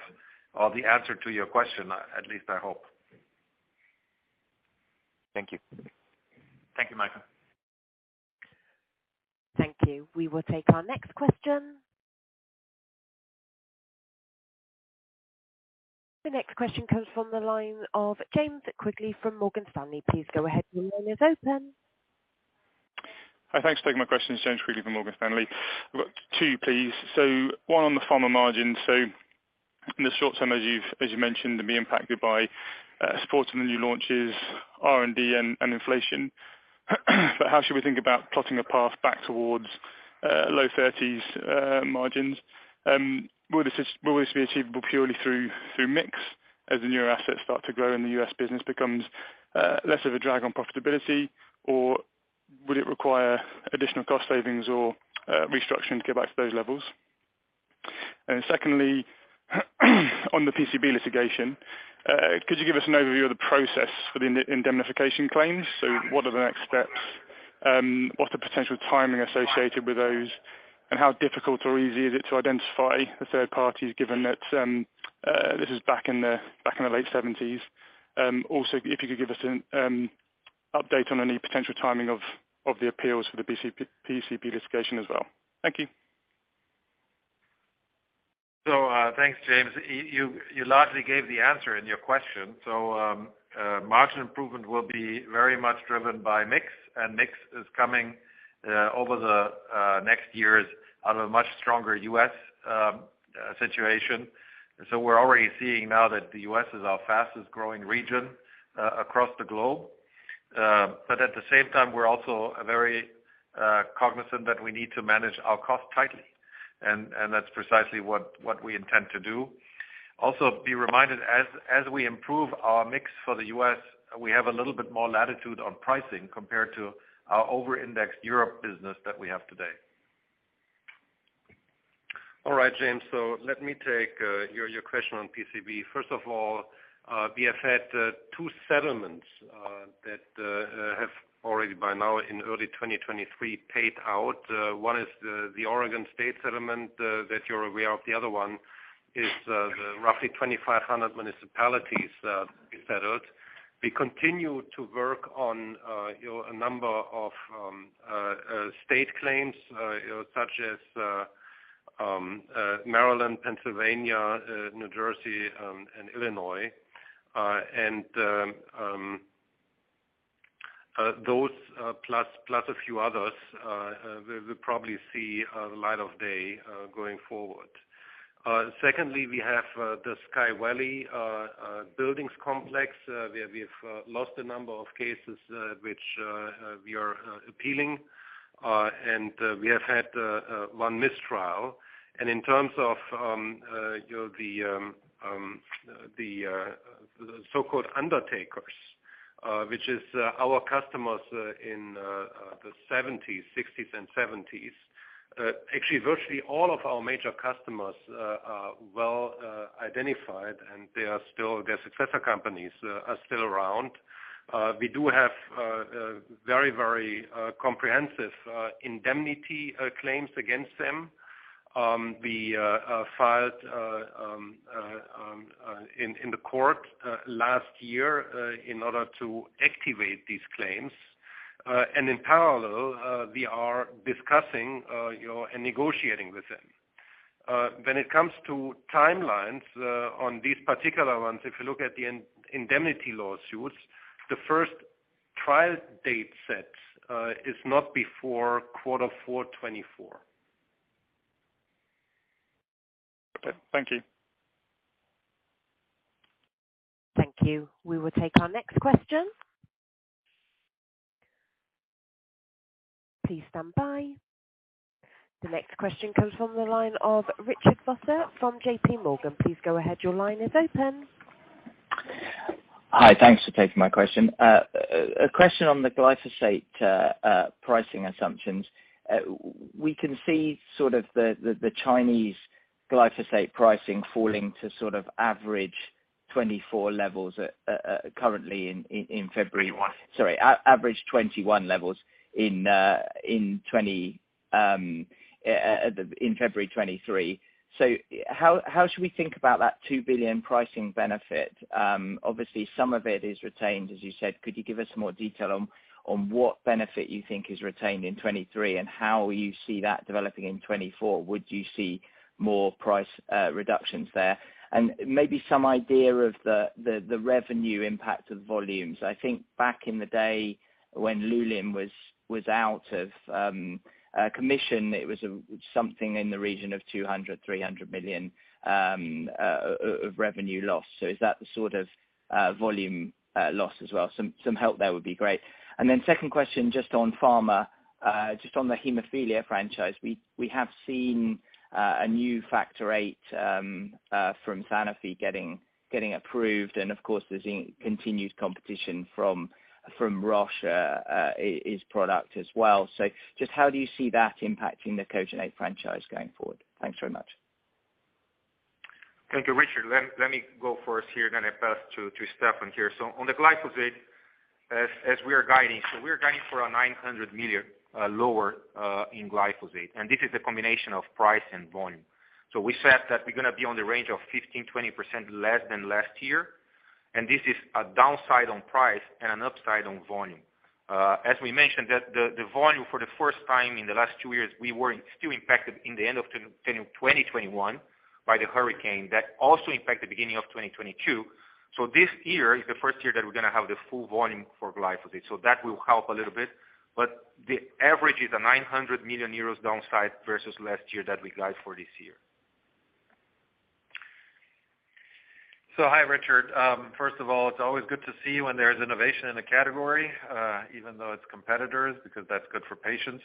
the answer to your question, at least I hope. Thank you. Thank you, Michael. Thank you. We will take our next question. The next question comes from the line of James Quigley from Morgan Stanley. Please go ahead. Your line is open. Hi. Thanks for taking my questions. James Quigley from Morgan Stanley. I've got two, please. One on the pharma margin. In the short term, as you mentioned, to be impacted by sports and the new launches, R&D and inflation. How should we think about plotting a path back towards low 30s margins? Will this be achievable purely through mix as the newer assets start to grow and the U.S. business becomes less of a drag on profitability, or would it require additional cost savings or restructuring to go back to those levels? Secondly, on the PCB litigation, could you give us an overview of the process for the indemnification claims? What are the next steps? What's the potential timing associated with those? How difficult or easy is it to identify the third parties, given that this is back in the late 1970s? Also, if you could give us an update on any potential timing of the appeals for the PCB litigation as well. Thank you. Thanks, James. You largely gave the answer in your question. Margin improvement will be very much driven by mix, and mix is coming over the next years out of a much stronger U.S. situation. We're already seeing now that the U.S. is our fastest-growing region across the globe. At the same time, we're also very cognizant that we need to manage our cost tightly, and that's precisely what we intend to do. Also, be reminded, as we improve our mix for the U.S., we have a little bit more latitude on pricing compared to our over-indexed Europe business that we have today. All right, James. Let me take your question on PCB. First of all, we have had two settlements that have already by now in early 2023 paid out. One is the Oregon State settlement that you're aware of. The other one is the roughly 2,500 municipalities we settled. We continue to work on, you know, a number of state claims such as Maryland, Pennsylvania, New Jersey, and Illinois. Those plus a few others will probably see the light of day going forward. Secondly, we have the Sky Valley buildings complex where we've lost a number of cases which we are appealing. We have had one mistrial. In terms of, you know, the so-called undertakers, which is our customers in the seventies, sixties, and seventies. Actually, virtually all of our major customers are well identified, and they are still, their successor companies are still around. We do have very, very comprehensive indemnity claims against them. We filed in the court last year in order to activate these claims. In parallel, we are discussing, you know, and negotiating with them. When it comes to timelines, on these particular ones, if you look at the indemnity lawsuits, the first trial date set, is not before quarter four 2024. Okay. Thank you. Thank you. We will take our next question. Please stand by. The next question comes from the line of Richard Vosser from J.P. Morgan. Please go ahead. Your line is open. Hi. Thanks for taking my question. A question on the glyphosate pricing assumptions. We can see sort of the Chinese glyphosate pricing falling to sort of average 2024 levels currently in February. 21. Sorry. Average 21 levels in February 2023. How should we think about that 2 billion pricing benefit? Obviously, some of it is retained, as you said. Could you give us more detail on what benefit you think is retained in 2023 and how you see that developing in 2024? Would you see more price reductions there? Maybe some idea of the revenue impact of volumes. I think back in the day when Luling was out of commission, it was something in the region of 200 million to 300 million of revenue loss. Is that the sort of volume loss as well? Some help there would be great. Second question, just on pharma, just on the hemophilia franchise. We have seen a new factor eight from Sanofi getting approved. Of course, there's continued competition from Roche, his product as well. Just how do you see that impacting the Coagenate franchise going forward? Thanks very much. Thank you, Richard. Let me go first here, then I pass to Stefan here. On the glyphosate, as we are guiding, we are guiding for a 900 million lower in glyphosate. This is a combination of price and volume. We said that we're gonna be on the range of 15% to 20% less than last year. This is a downside on price and an upside on volume. As we mentioned, that the volume for the first time in the last two years, we were still impacted in the end of 2021 by the hurricane. That also impact the beginning of 2022. This year is the first year that we're gonna have the full volume for glyphosate. That will help a little bit. The average is a 900 million euros downside versus last year that we got for this year. Hi, Richard. First of all, it's always good to see when there is innovation in the category, even though it's competitors, because that's good for patients.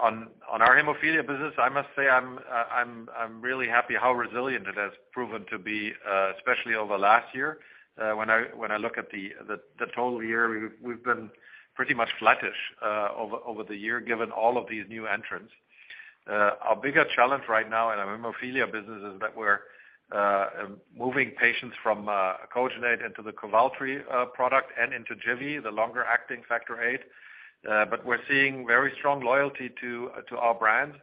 On our hemophilia business, I must say, I'm really happy how resilient it has proven to be, especially over last year. When I look at the total year, we've been pretty much flattish over the year, given all of these new entrants. Our bigger challenge right now in our hemophilia business is that we're moving patients from Coagenate into the Kovaltry product and into Jivi, the longer acting factor eight. But we're seeing very strong loyalty to our brand.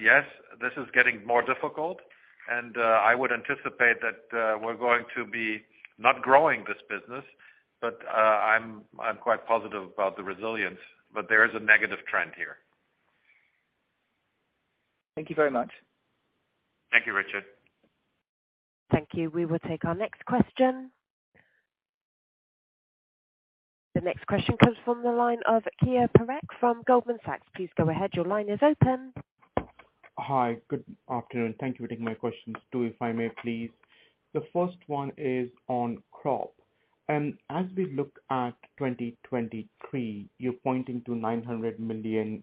Yes, this is getting more difficult, and I would anticipate that we're going to be not growing this business, but I'm quite positive about the resilience, but there is a negative trend here. Thank you very much. Thank you, Richard. Thank you. We will take our next question. The next question comes from the line of Keyur Parekh from Goldman Sachs. Please go ahead. Your line is open. Hi. Good afternoon. Thank you for taking my questions, two if I may please. The first one is on Crop. As we look at 2023, you're pointing to 900 million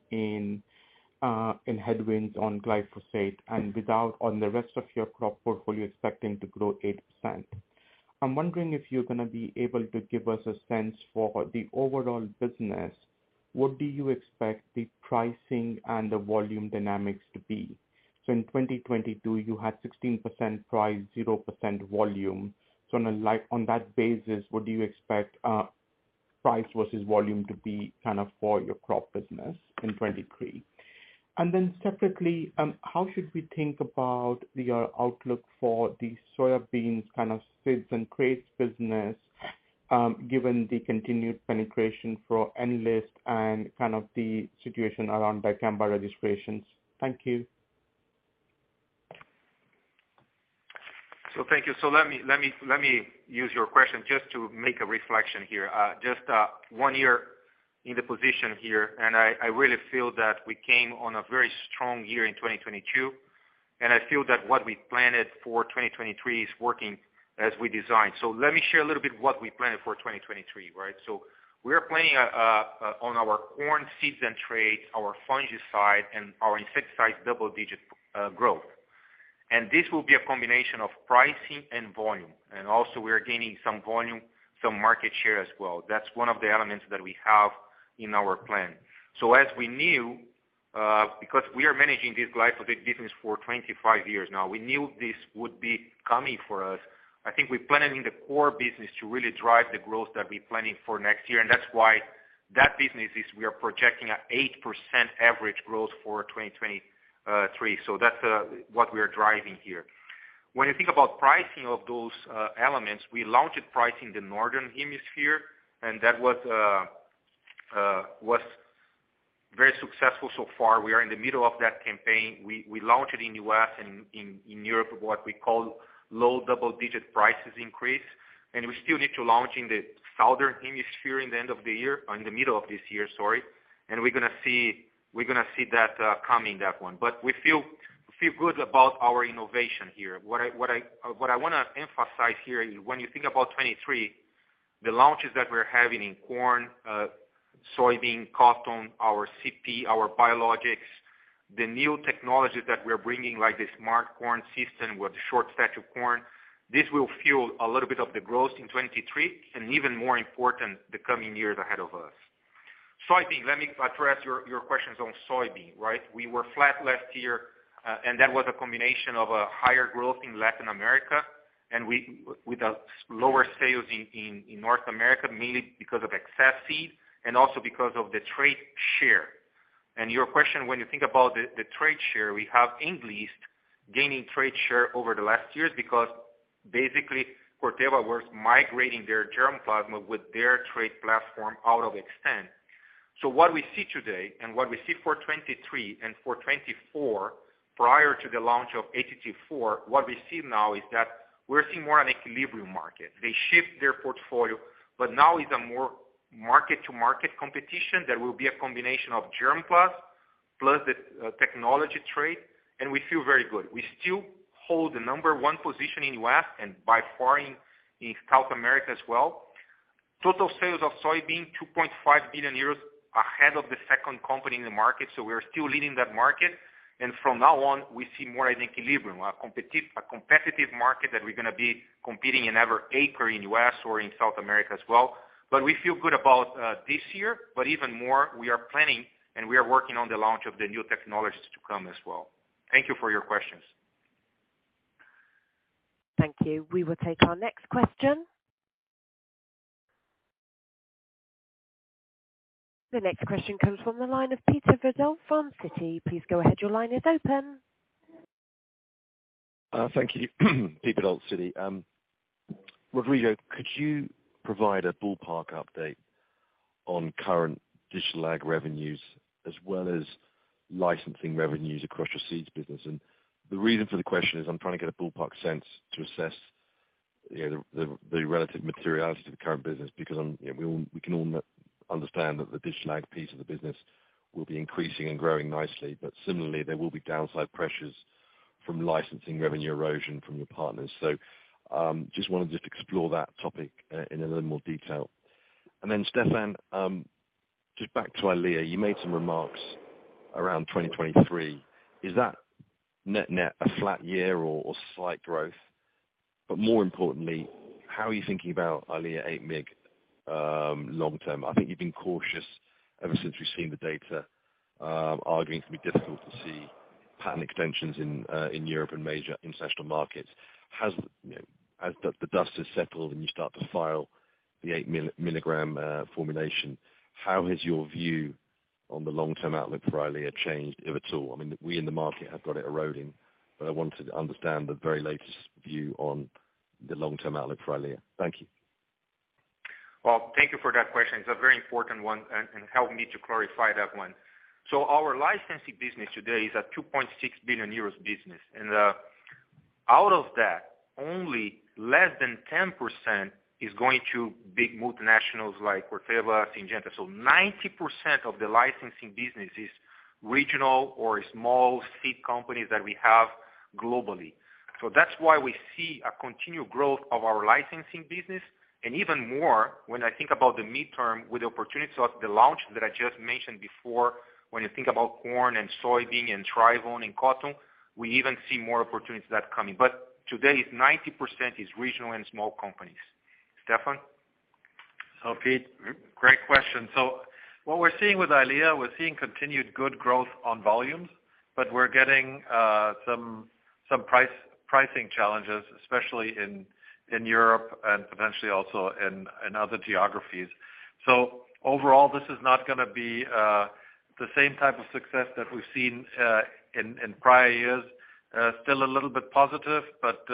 in headwinds on glyphosate and without on the rest of your Crop portfolio expecting to grow 8%. I'm wondering if you're gonna be able to give us a sense for the overall business. What do you expect the pricing and the volume dynamics to be? In 2022, you had 16% price, 0% volume. On that basis, what do you expect price versus volume to be kind of for your Crop business in 2023? Separately, how should we think about your outlook for the soybeans kind of seeds and crates business, given the continued penetration for Enlist and kind of the situation around dicamba registrations? Thank you. Thank you. Let me use your question just to make a reflection here. Just one year in the position here, and I really feel that we came on a very strong year in 2022, and I feel that what we planted for 2023 is working as we designed. Let me share a little bit what we planted for 2023, right? We are planning on our corn seeds and traits, our fungicide and our insecticides double-digit growth. This will be a combination of pricing and volume. Also we are gaining some volume, some market share as well. That's one of the elements that we have in our plan. As we knew, because we are managing this glyphosate business for 25 years now, we knew this would be coming for us. I think we planted in the core business to really drive the growth that we planning for next year. That's why that business is we are projecting at 8% average growth for 2023. That's what we are driving here. When you think about pricing of those elements, we launched pricing the northern hemisphere, that was very successful so far. We are in the middle of that campaign. We launched it in U.S. and in Europe, what we call low double-digit prices increase. We still need to launch in the southern hemisphere in the end of the year, or in the middle of this year, sorry. We're gonna see that coming, that one. We feel good about our innovation here. What I wanna emphasize here, when you think about 2023, the launches that we're having in corn, soybean, cotton, our CP, our biologics, the new technologies that we're bringing, like the Preceon Smart Corn System with short stature corn, this will fuel a little bit of the growth in 2023, and even more important, the coming years ahead of us. Soybean, let me address your questions on soybean, right? We were flat last year, and that was a combination of a higher growth in Latin America, and with a lower sales in North America, mainly because of excess seed and also because of the trade share. Your question when you think about the trade share, we have Enlist gaining trade share over the last years because basically Corteva was migrating their germ plasma with their trade platform out of extent. What we see today and what we see for 2023 and for 2024, prior to the launch of ATT four, what we see now is that we're seeing more an equilibrium market. They shift their portfolio, but now is a more market-to-market competition that will be a combination of germ plus the technology trade, and we feel very good. We still hold the number one position in U.S. and by far in South America as well. Total sales of soybean, 2.5 billion euros ahead of the second company in the market. We are still leading that market. From now on, we see more an equilibrium, a competitive market that we're gonna be competing in every acre in U.S. or in South America as well. We feel good about this year, but even more we are planning, and we are working on the launch of the new technologies to come as well. Thank you for your questions. Thank you. We will take our next question. The next question comes from the line of Peter Verdult from Citigroup. Please go ahead. Your line is open. Thank you. Peter from Citi. Rodrigo, could you provide a ballpark update on current digital ag revenues as well as licensing revenues across your seeds business? The reason for the question is I'm trying to get a ballpark sense to assess, you know, the, the relative materiality to the current business, because, you know, we all, we can all understand that the digital ag piece of the business will be increasing and growing nicely, but similarly, there will be downside pressures from licensing revenue erosion from your partners. Just wanted to just explore that topic in a little more detail. Stefan, just back to Eylea, you made some remarks around 2023. Is that net net a flat year or slight growth? More importantly, how are you thinking about Eylea 8 mg long term? I think you've been cautious ever since we've seen the data, arguing it's going to be difficult to see patent extensions in Europe and major international markets. Has, you know, as the dust has settled and you start to file the 8 mg formulation, how has your view on the long-term outlook for Eylea changed, if at all? I mean, we in the market have got it eroding, but I wanted to understand the very latest view on the long-term outlook for Eylea. Thank you. Thank you for that question. It's a very important one, and help me to clarify that one. Our licensing business today is a 2.6 billion euros business. Out of that, only less than 10% is going to big multinationals like Corteva, Syngenta. 90% of the licensing business is regional or small seed companies that we have globally. That's why we see a continued growth of our licensing business. Even more, when I think about the midterm with the opportunities of the launch that I just mentioned before, when you think about corn and soybean and ThryvOn and cotton, we even see more opportunities that coming. Today, 90% is regional and small companies. Stefan? Peter, great question. What we're seeing with Eylea, we're seeing continued good growth on volumes, but we're getting some pricing challenges, especially in Europe and potentially also in other geographies. Overall, this is not gonna be the same type of success that we've seen in prior years. Still a little bit positive, but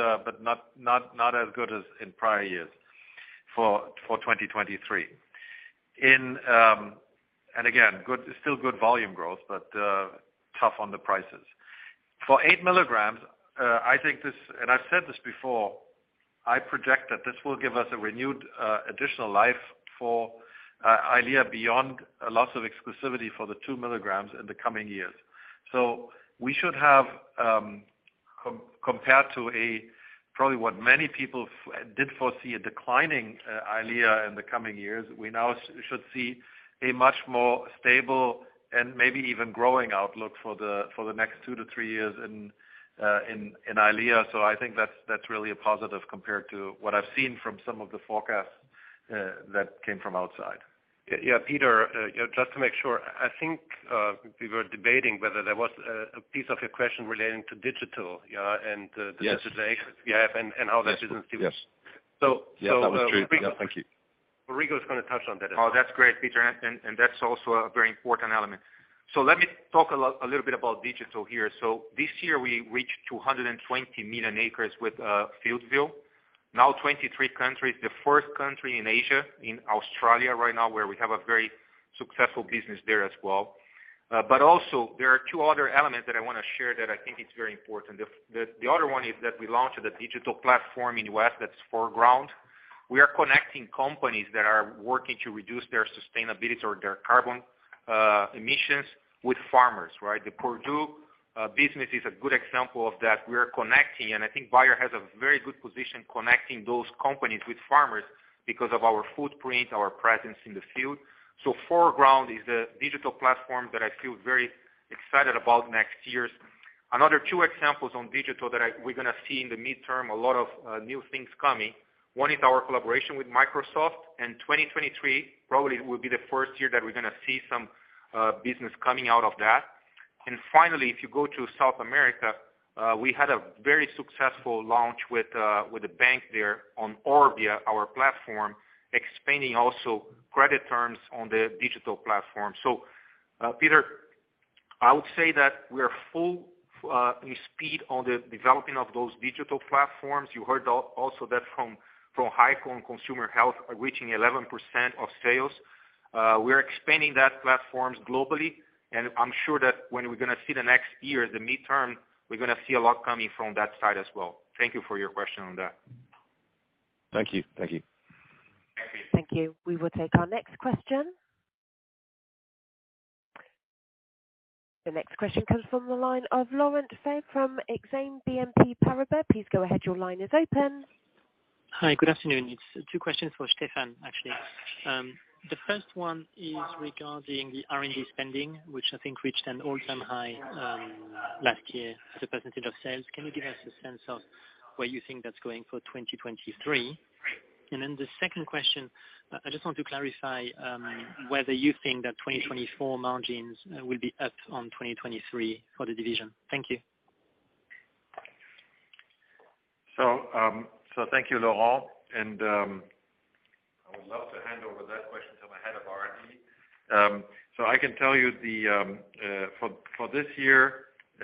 not as good as in prior years for 2023. Again, good, still good volume growth, but tough on the prices. For 8 mg, I think this, and I've said this before, I project that this will give us a renewed additional life for Eylea beyond a loss of exclusivity for the 2 mg in the coming years. We should have, compared to a probably what many people did foresee a declining, Eylea in the coming years, we now should see a much more stable and maybe even growing outlook for the next two to three years in Eylea. I think that's really a positive compared to what I've seen from some of the forecasts that came from outside. Yeah, Peter, just to make sure. I think, we were debating whether there was a piece of your question relating to digital, yeah. Yes. -digitization you have and how that business do. Yes. So, so- Yeah, that was true. Yeah, thank you. Rodrigo's gonna touch on that as well. Oh, that's great, Peter. That's also a very important element. Let me talk a little bit about digital here. This year we reached 220 million acres with FieldView. Now 23 countries, the first country in Asia, in Australia right now, where we have a very successful business there as well. Also there are two other elements that I wanna share that I think it's very important. The other one is that we launched the digital platform in U.S., that's ForGround. We are connecting companies that are working to reduce their sustainability or their carbon emissions with farmers, right? The Purdue business is a good example of that. We are connecting, I think Bayer has a very good position connecting those companies with farmers because of our footprint, our presence in the field. ForGround is the digital platform that I feel very excited about next year. Another two examples on digital that we're gonna see in the midterm a lot of new things coming. One is our collaboration with Microsoft, and 2023 probably will be the first year that we're gonna see some business coming out of that. Finally, if you go to South America, we had a very successful launch with a bank there on Orbia, our platform, expanding also credit terms on the digital platform. Peter, I would say that we are full speed on the developing of those digital platforms. You heard also that from Heiko and Consumer Health are reaching 11% of sales. We're expanding that platforms globally. I'm sure that when we're going to see the next year, the midterm, we're going to see a lot coming from that side as well. Thank you for your question on that. Thank you. Thank you. Thank you. Thank you. We will take our next question. The next question comes from the line of Laurent Favre from Exane BNP Paribas. Please go ahead. Your line is open. Hi, good afternoon. It's two questions for Stefan, actually. The first one is regarding the R&D spending, which I think reached an all-time high last year as a percentage of sales. Can you give us a sense of where you think that's going for 2023? The second question, I just want to clarify whether you think that 2024 margins will be up on 2023 for the division. Thank you. Thank you, Laurent. I would love to hand over that question to the Head of R&D. I can tell you for this year,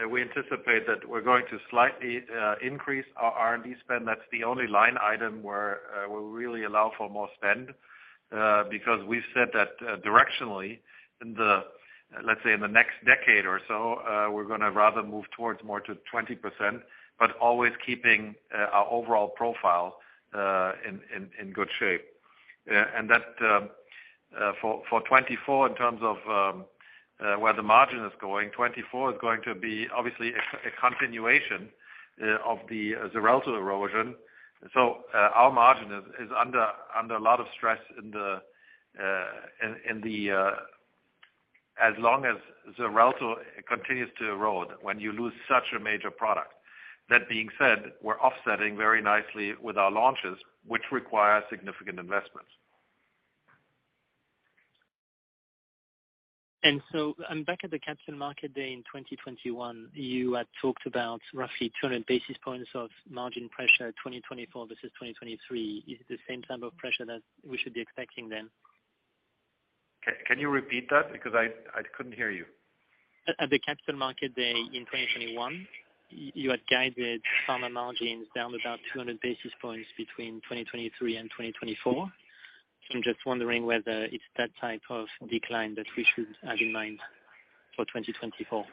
we anticipate that we're going to slightly increase our R&D spend. That's the only line item where we really allow for more spend because we've said that directionally in the next decade or so, we're gonna rather move towards more to 20%, but always keeping our overall profile in good shape. For 2024 in terms of where the margin is going, 2024 is going to be obviously a continuation of the Xarelto erosion. Our margin is under a lot of stress in the... As long as Xarelto continues to erode when you lose such a major product. That being said, we're offsetting very nicely with our launches, which require significant investments. Back at the Capital Market Day in 2021, you had talked about roughly 200 basis points of margin pressure, 2024 versus 2023. Is it the same type of pressure that we should be expecting then? Can you repeat that? Because I couldn't hear you. At the Capital Market Day in 2021, you had guided pharma margins down about 200 basis points between 2023 and 2024. I'm just wondering whether it's that type of decline that we should have in mind for 2024.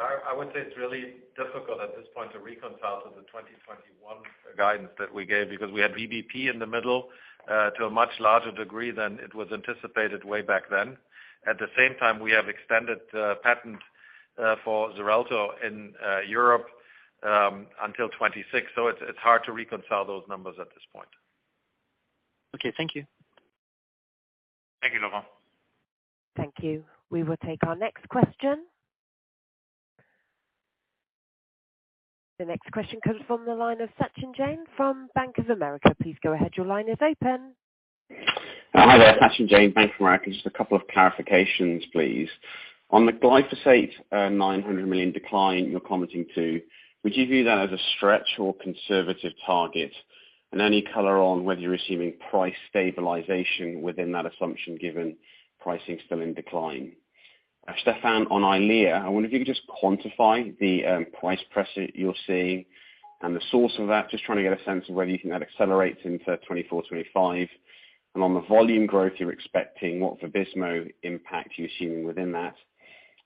I would say it's really difficult at this point to reconcile to the 2021 guidance that we gave because we had VBP in the middle to a much larger degree than it was anticipated way back then. At the same time, we have extended patent for Xarelto in Europe until 2026. It's hard to reconcile those numbers at this point. Okay. Thank you. Thank you, Laurent. Thank you. We will take our next question. The next question comes from the line of Sachin Jain from Bank of America. Please go ahead. Your line is open. Hi there, Sachin Jain, Bank of America. Just a couple of clarifications, please. On the glyphosate, 900 million decline you're commenting to, would you view that as a stretch or conservative target? Any color on whether you're receiving price stabilization within that assumption given pricing still in decline. Stefan, on Eylea, I wonder if you could just quantify the price pressure you're seeing and the source of that. Just trying to get a sense of whether you think that accelerates into 2024, 2025. On the volume growth you're expecting, what Vismo impact you're assuming within that?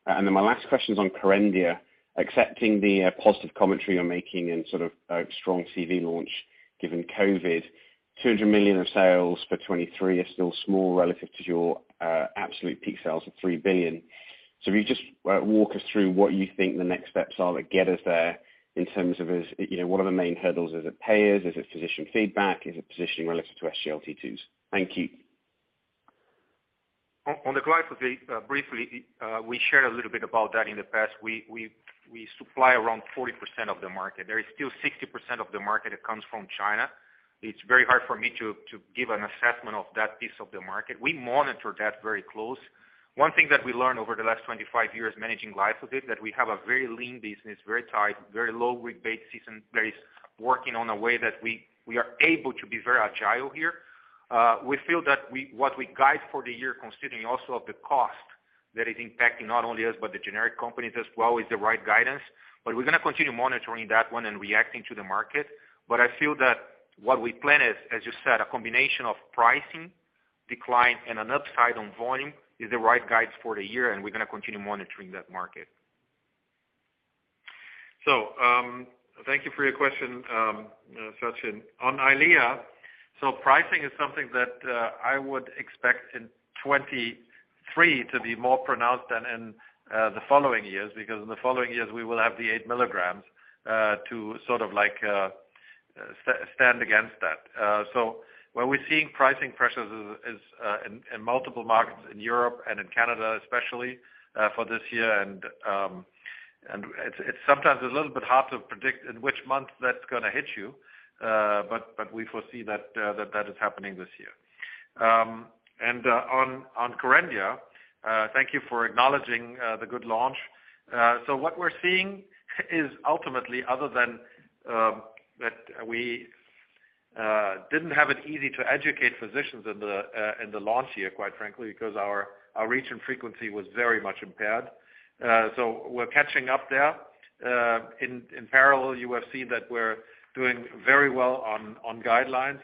Then my last question is on Kerendia, accepting the positive commentary you're making and sort of strong CV launch given COVID. 200 million of sales for 2023 is still small relative to your absolute peak sales of 3 billion. If you just walk us through what you think the next steps are that get us there in terms of, you know, what are the main hurdles? Is it payers? Is it physician feedback? Is it positioning relative to SGLT2s? Thank you. On the glyphosate, briefly, we shared a little bit about that in the past. We supply around 40% of the market. There is still 60% of the market that comes from China. It's very hard for me to give an assessment of that piece of the market. We monitor that very close. One thing that we learned over the last 25 years managing glyphosate, that we have a very lean business, very tight, very low rebate season-based, working on a way that we are able to be very agile here. We feel that what we guide for the year considering also of the cost that is impacting not only us, but the generic companies as well, is the right guidance. We're gonna continue monitoring that one and reacting to the market. I feel that what we plan is, as you said, a combination of pricing decline and an upside on volume is the right guides for the year, and we're gonna continue monitoring that market. Thank you for your question, Sachin. On Eylea, pricing is something that I would expect in 2023 to be more pronounced than in the following years, because in the following years, we will have the 8 mg to sort of like stand against that. Where we're seeing pricing pressures is in multiple markets in Europe and in Canada, especially for this year. And it's sometimes a little bit hard to predict in which month that's gonna hit you. We foresee that is happening this year. And on Corvidia, thank you for acknowledging the good launch. What we're seeing is ultimately other than that we didn't have it easy to educate physicians in the launch year, quite frankly, because our reach and frequency was very much impaired. We're catching up there. In parallel, you have seen that we're doing very well on guidelines.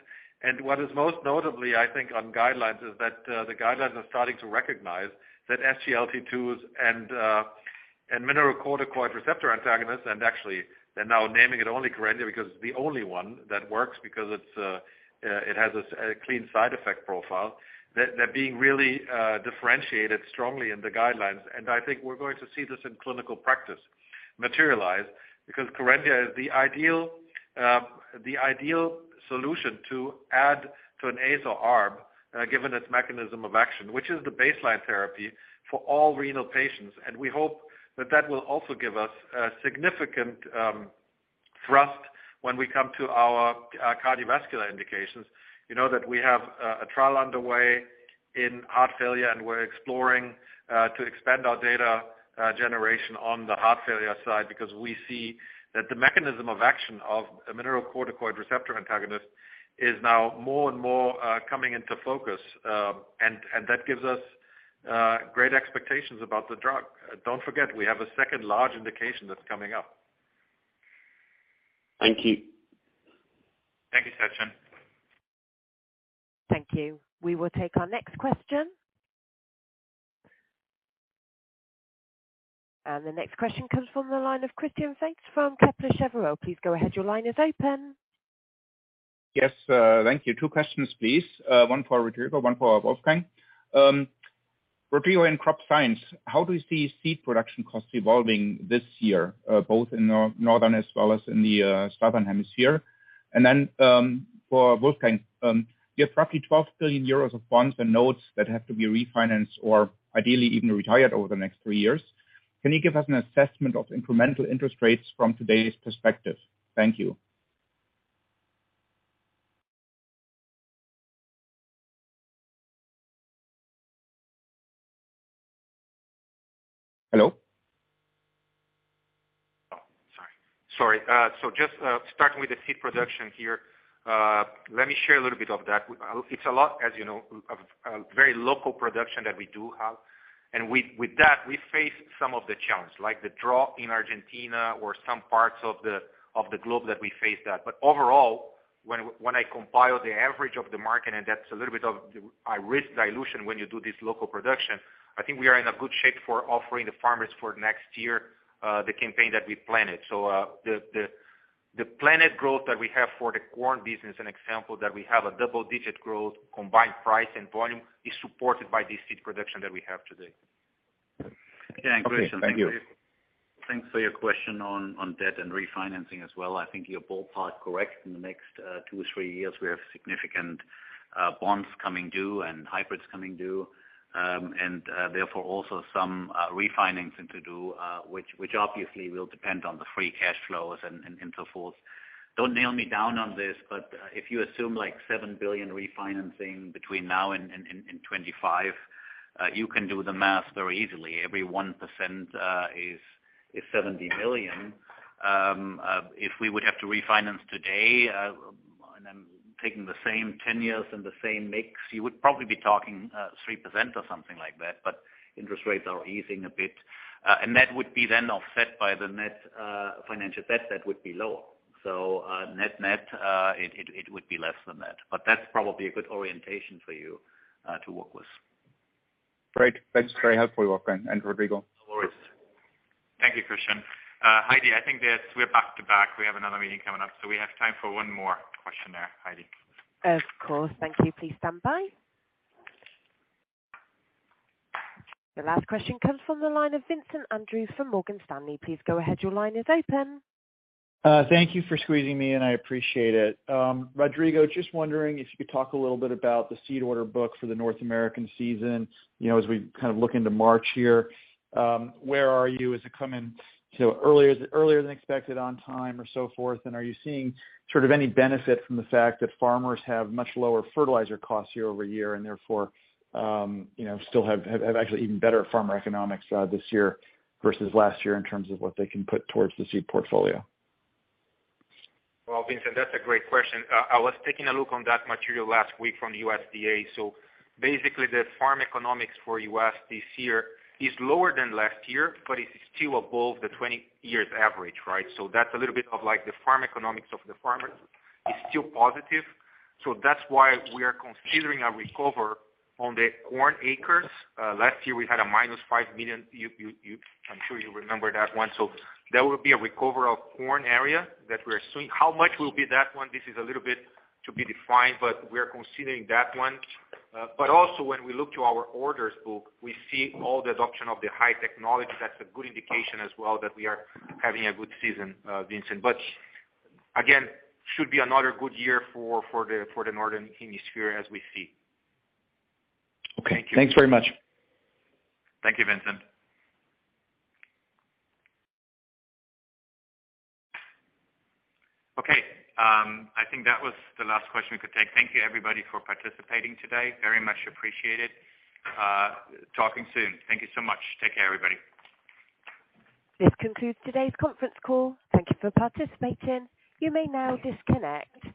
What is most notably, I think, on guidelines is that the guidelines are starting to recognize that SGLT2s and mineralocorticoid receptor antagonists, and actually they're now naming it only Corvidia because it's the only one that works because it's it has a clean side effect profile. They're being really differentiated strongly in the guidelines. I think we're going to see this in clinical practice materialize because Corvidia is the ideal solution to add to an ACE or ARB, given its mechanism of action, which is the baseline therapy for all renal patients. We hope that that will also give us a significant thrust when we come to our cardiovascular indications. You know that we have a trial underway in heart failure, and we're exploring to expand our data generation on the heart failure side because we see that the mechanism of action of a mineralocorticoid receptor antagonist is now more and more coming into focus. That gives us great expectations about the drug. Don't forget, we have a second large indication that's coming up. Thank you. Thank you, Sachin. Thank you. We will take our next question. The next question comes from the line of Christian Faitz from Kepler Cheuvreux. Please go ahead. Your line is open. Yes, thank you. Two questions, please. One for Rodrigo, one for Wolfgang. Rodrigo, in Crop Science, how do you see seed production costs evolving this year, both in northern as well as in the southern hemisphere? Then, for Wolfgang, you have roughly 12 billion euros of bonds and notes that have to be refinanced or ideally even retired over the next three years. Can you give us an assessment of incremental interest rates from today's perspective? Thank you. Hello? Sorry, sorry. Starting with the seed production here. Let me share a little bit of that. It's a lot, as you know, of very local production that we do have. With that, we face some of the challenge, like the drought in Argentina or some parts of the globe that we face that. Overall, when I compile the average of the market, I risk dilution when you do this local production. I think we are in a good shape for offering the farmers for next year, the campaign that we planned. The planned growth that we have for the corn business, an example that we have a double-digit growth, combined price and volume, is supported by the seed production that we have today. Okay. Thank you. Thanks for your question on debt and refinancing as well. I think you're ballpark correct. In the next two, three years, we have significant bonds coming due and hybrids coming due, and therefore, also some refinancing to do, which obviously will depend on the free cash flows and so forth. Don't nail me down on this, but if you assume like 7 billion refinancing between now and 2025, you can do the math very easily. Every 1% is 70 million. If we would have to refinance today, and I'm taking the same 10 years and the same mix, you would probably be talking 3% or something like that. Interest rates are easing a bit. That would be then offset by the net financial debt that would be lower. Net-net, it would be less than that. That's probably a good orientation for you to work with. Great. That's very helpful, Wolfgang and Rodrigo. Thank you, Christian. Heidi, I think that we're back to back. We have another meeting coming up. We have time for one more question there, Heidi. Of course. Thank you. Please stand by. The last question comes from the line of Vincent Andrews from Morgan Stanley. Please go ahead. Your line is open. Thank you for squeezing me in. I appreciate it. Rodrigo, just wondering if you could talk a little bit about the seed order book for the North American season. You know, as we kind of look into March here, where are you as you come in? Earlier, is it earlier than expected on time or so forth? Are you seeing sort of any benefit from the fact that farmers have much lower fertilizer costs year-over-year and therefore, you know, still have actually even better farmer economics this year versus last year in terms of what they can put towards the seed portfolio? Well, Vincent, that's a great question. I was taking a look on that material last week from the USDA. The farm economics for U.S. this year is lower than last year, but it's still above the 20 years average, right? That's a little bit of like the farm economics of the farmers is still positive. That's why we are considering a recover on the corn acres. Last year, we had a -5 million. I'm sure you remember that one. There will be a recover of corn area that we are seeing. How much will be that one? This is a little bit to be defined, but we are considering that one. When we look to our orders book, we see all the adoption of the high technology. That's a good indication as well that we are having a good season, Vincent. Again, should be another good year for the Northern Hemisphere as we see. Okay. Thanks very much. Thank you, Vincent. Okay. I think that was the last question we could take. Thank you, everybody, for participating today. Very much appreciate it. Talking soon. Thank you so much. Take care, everybody. This concludes today's conference call. Thank you for participating. You may now disconnect.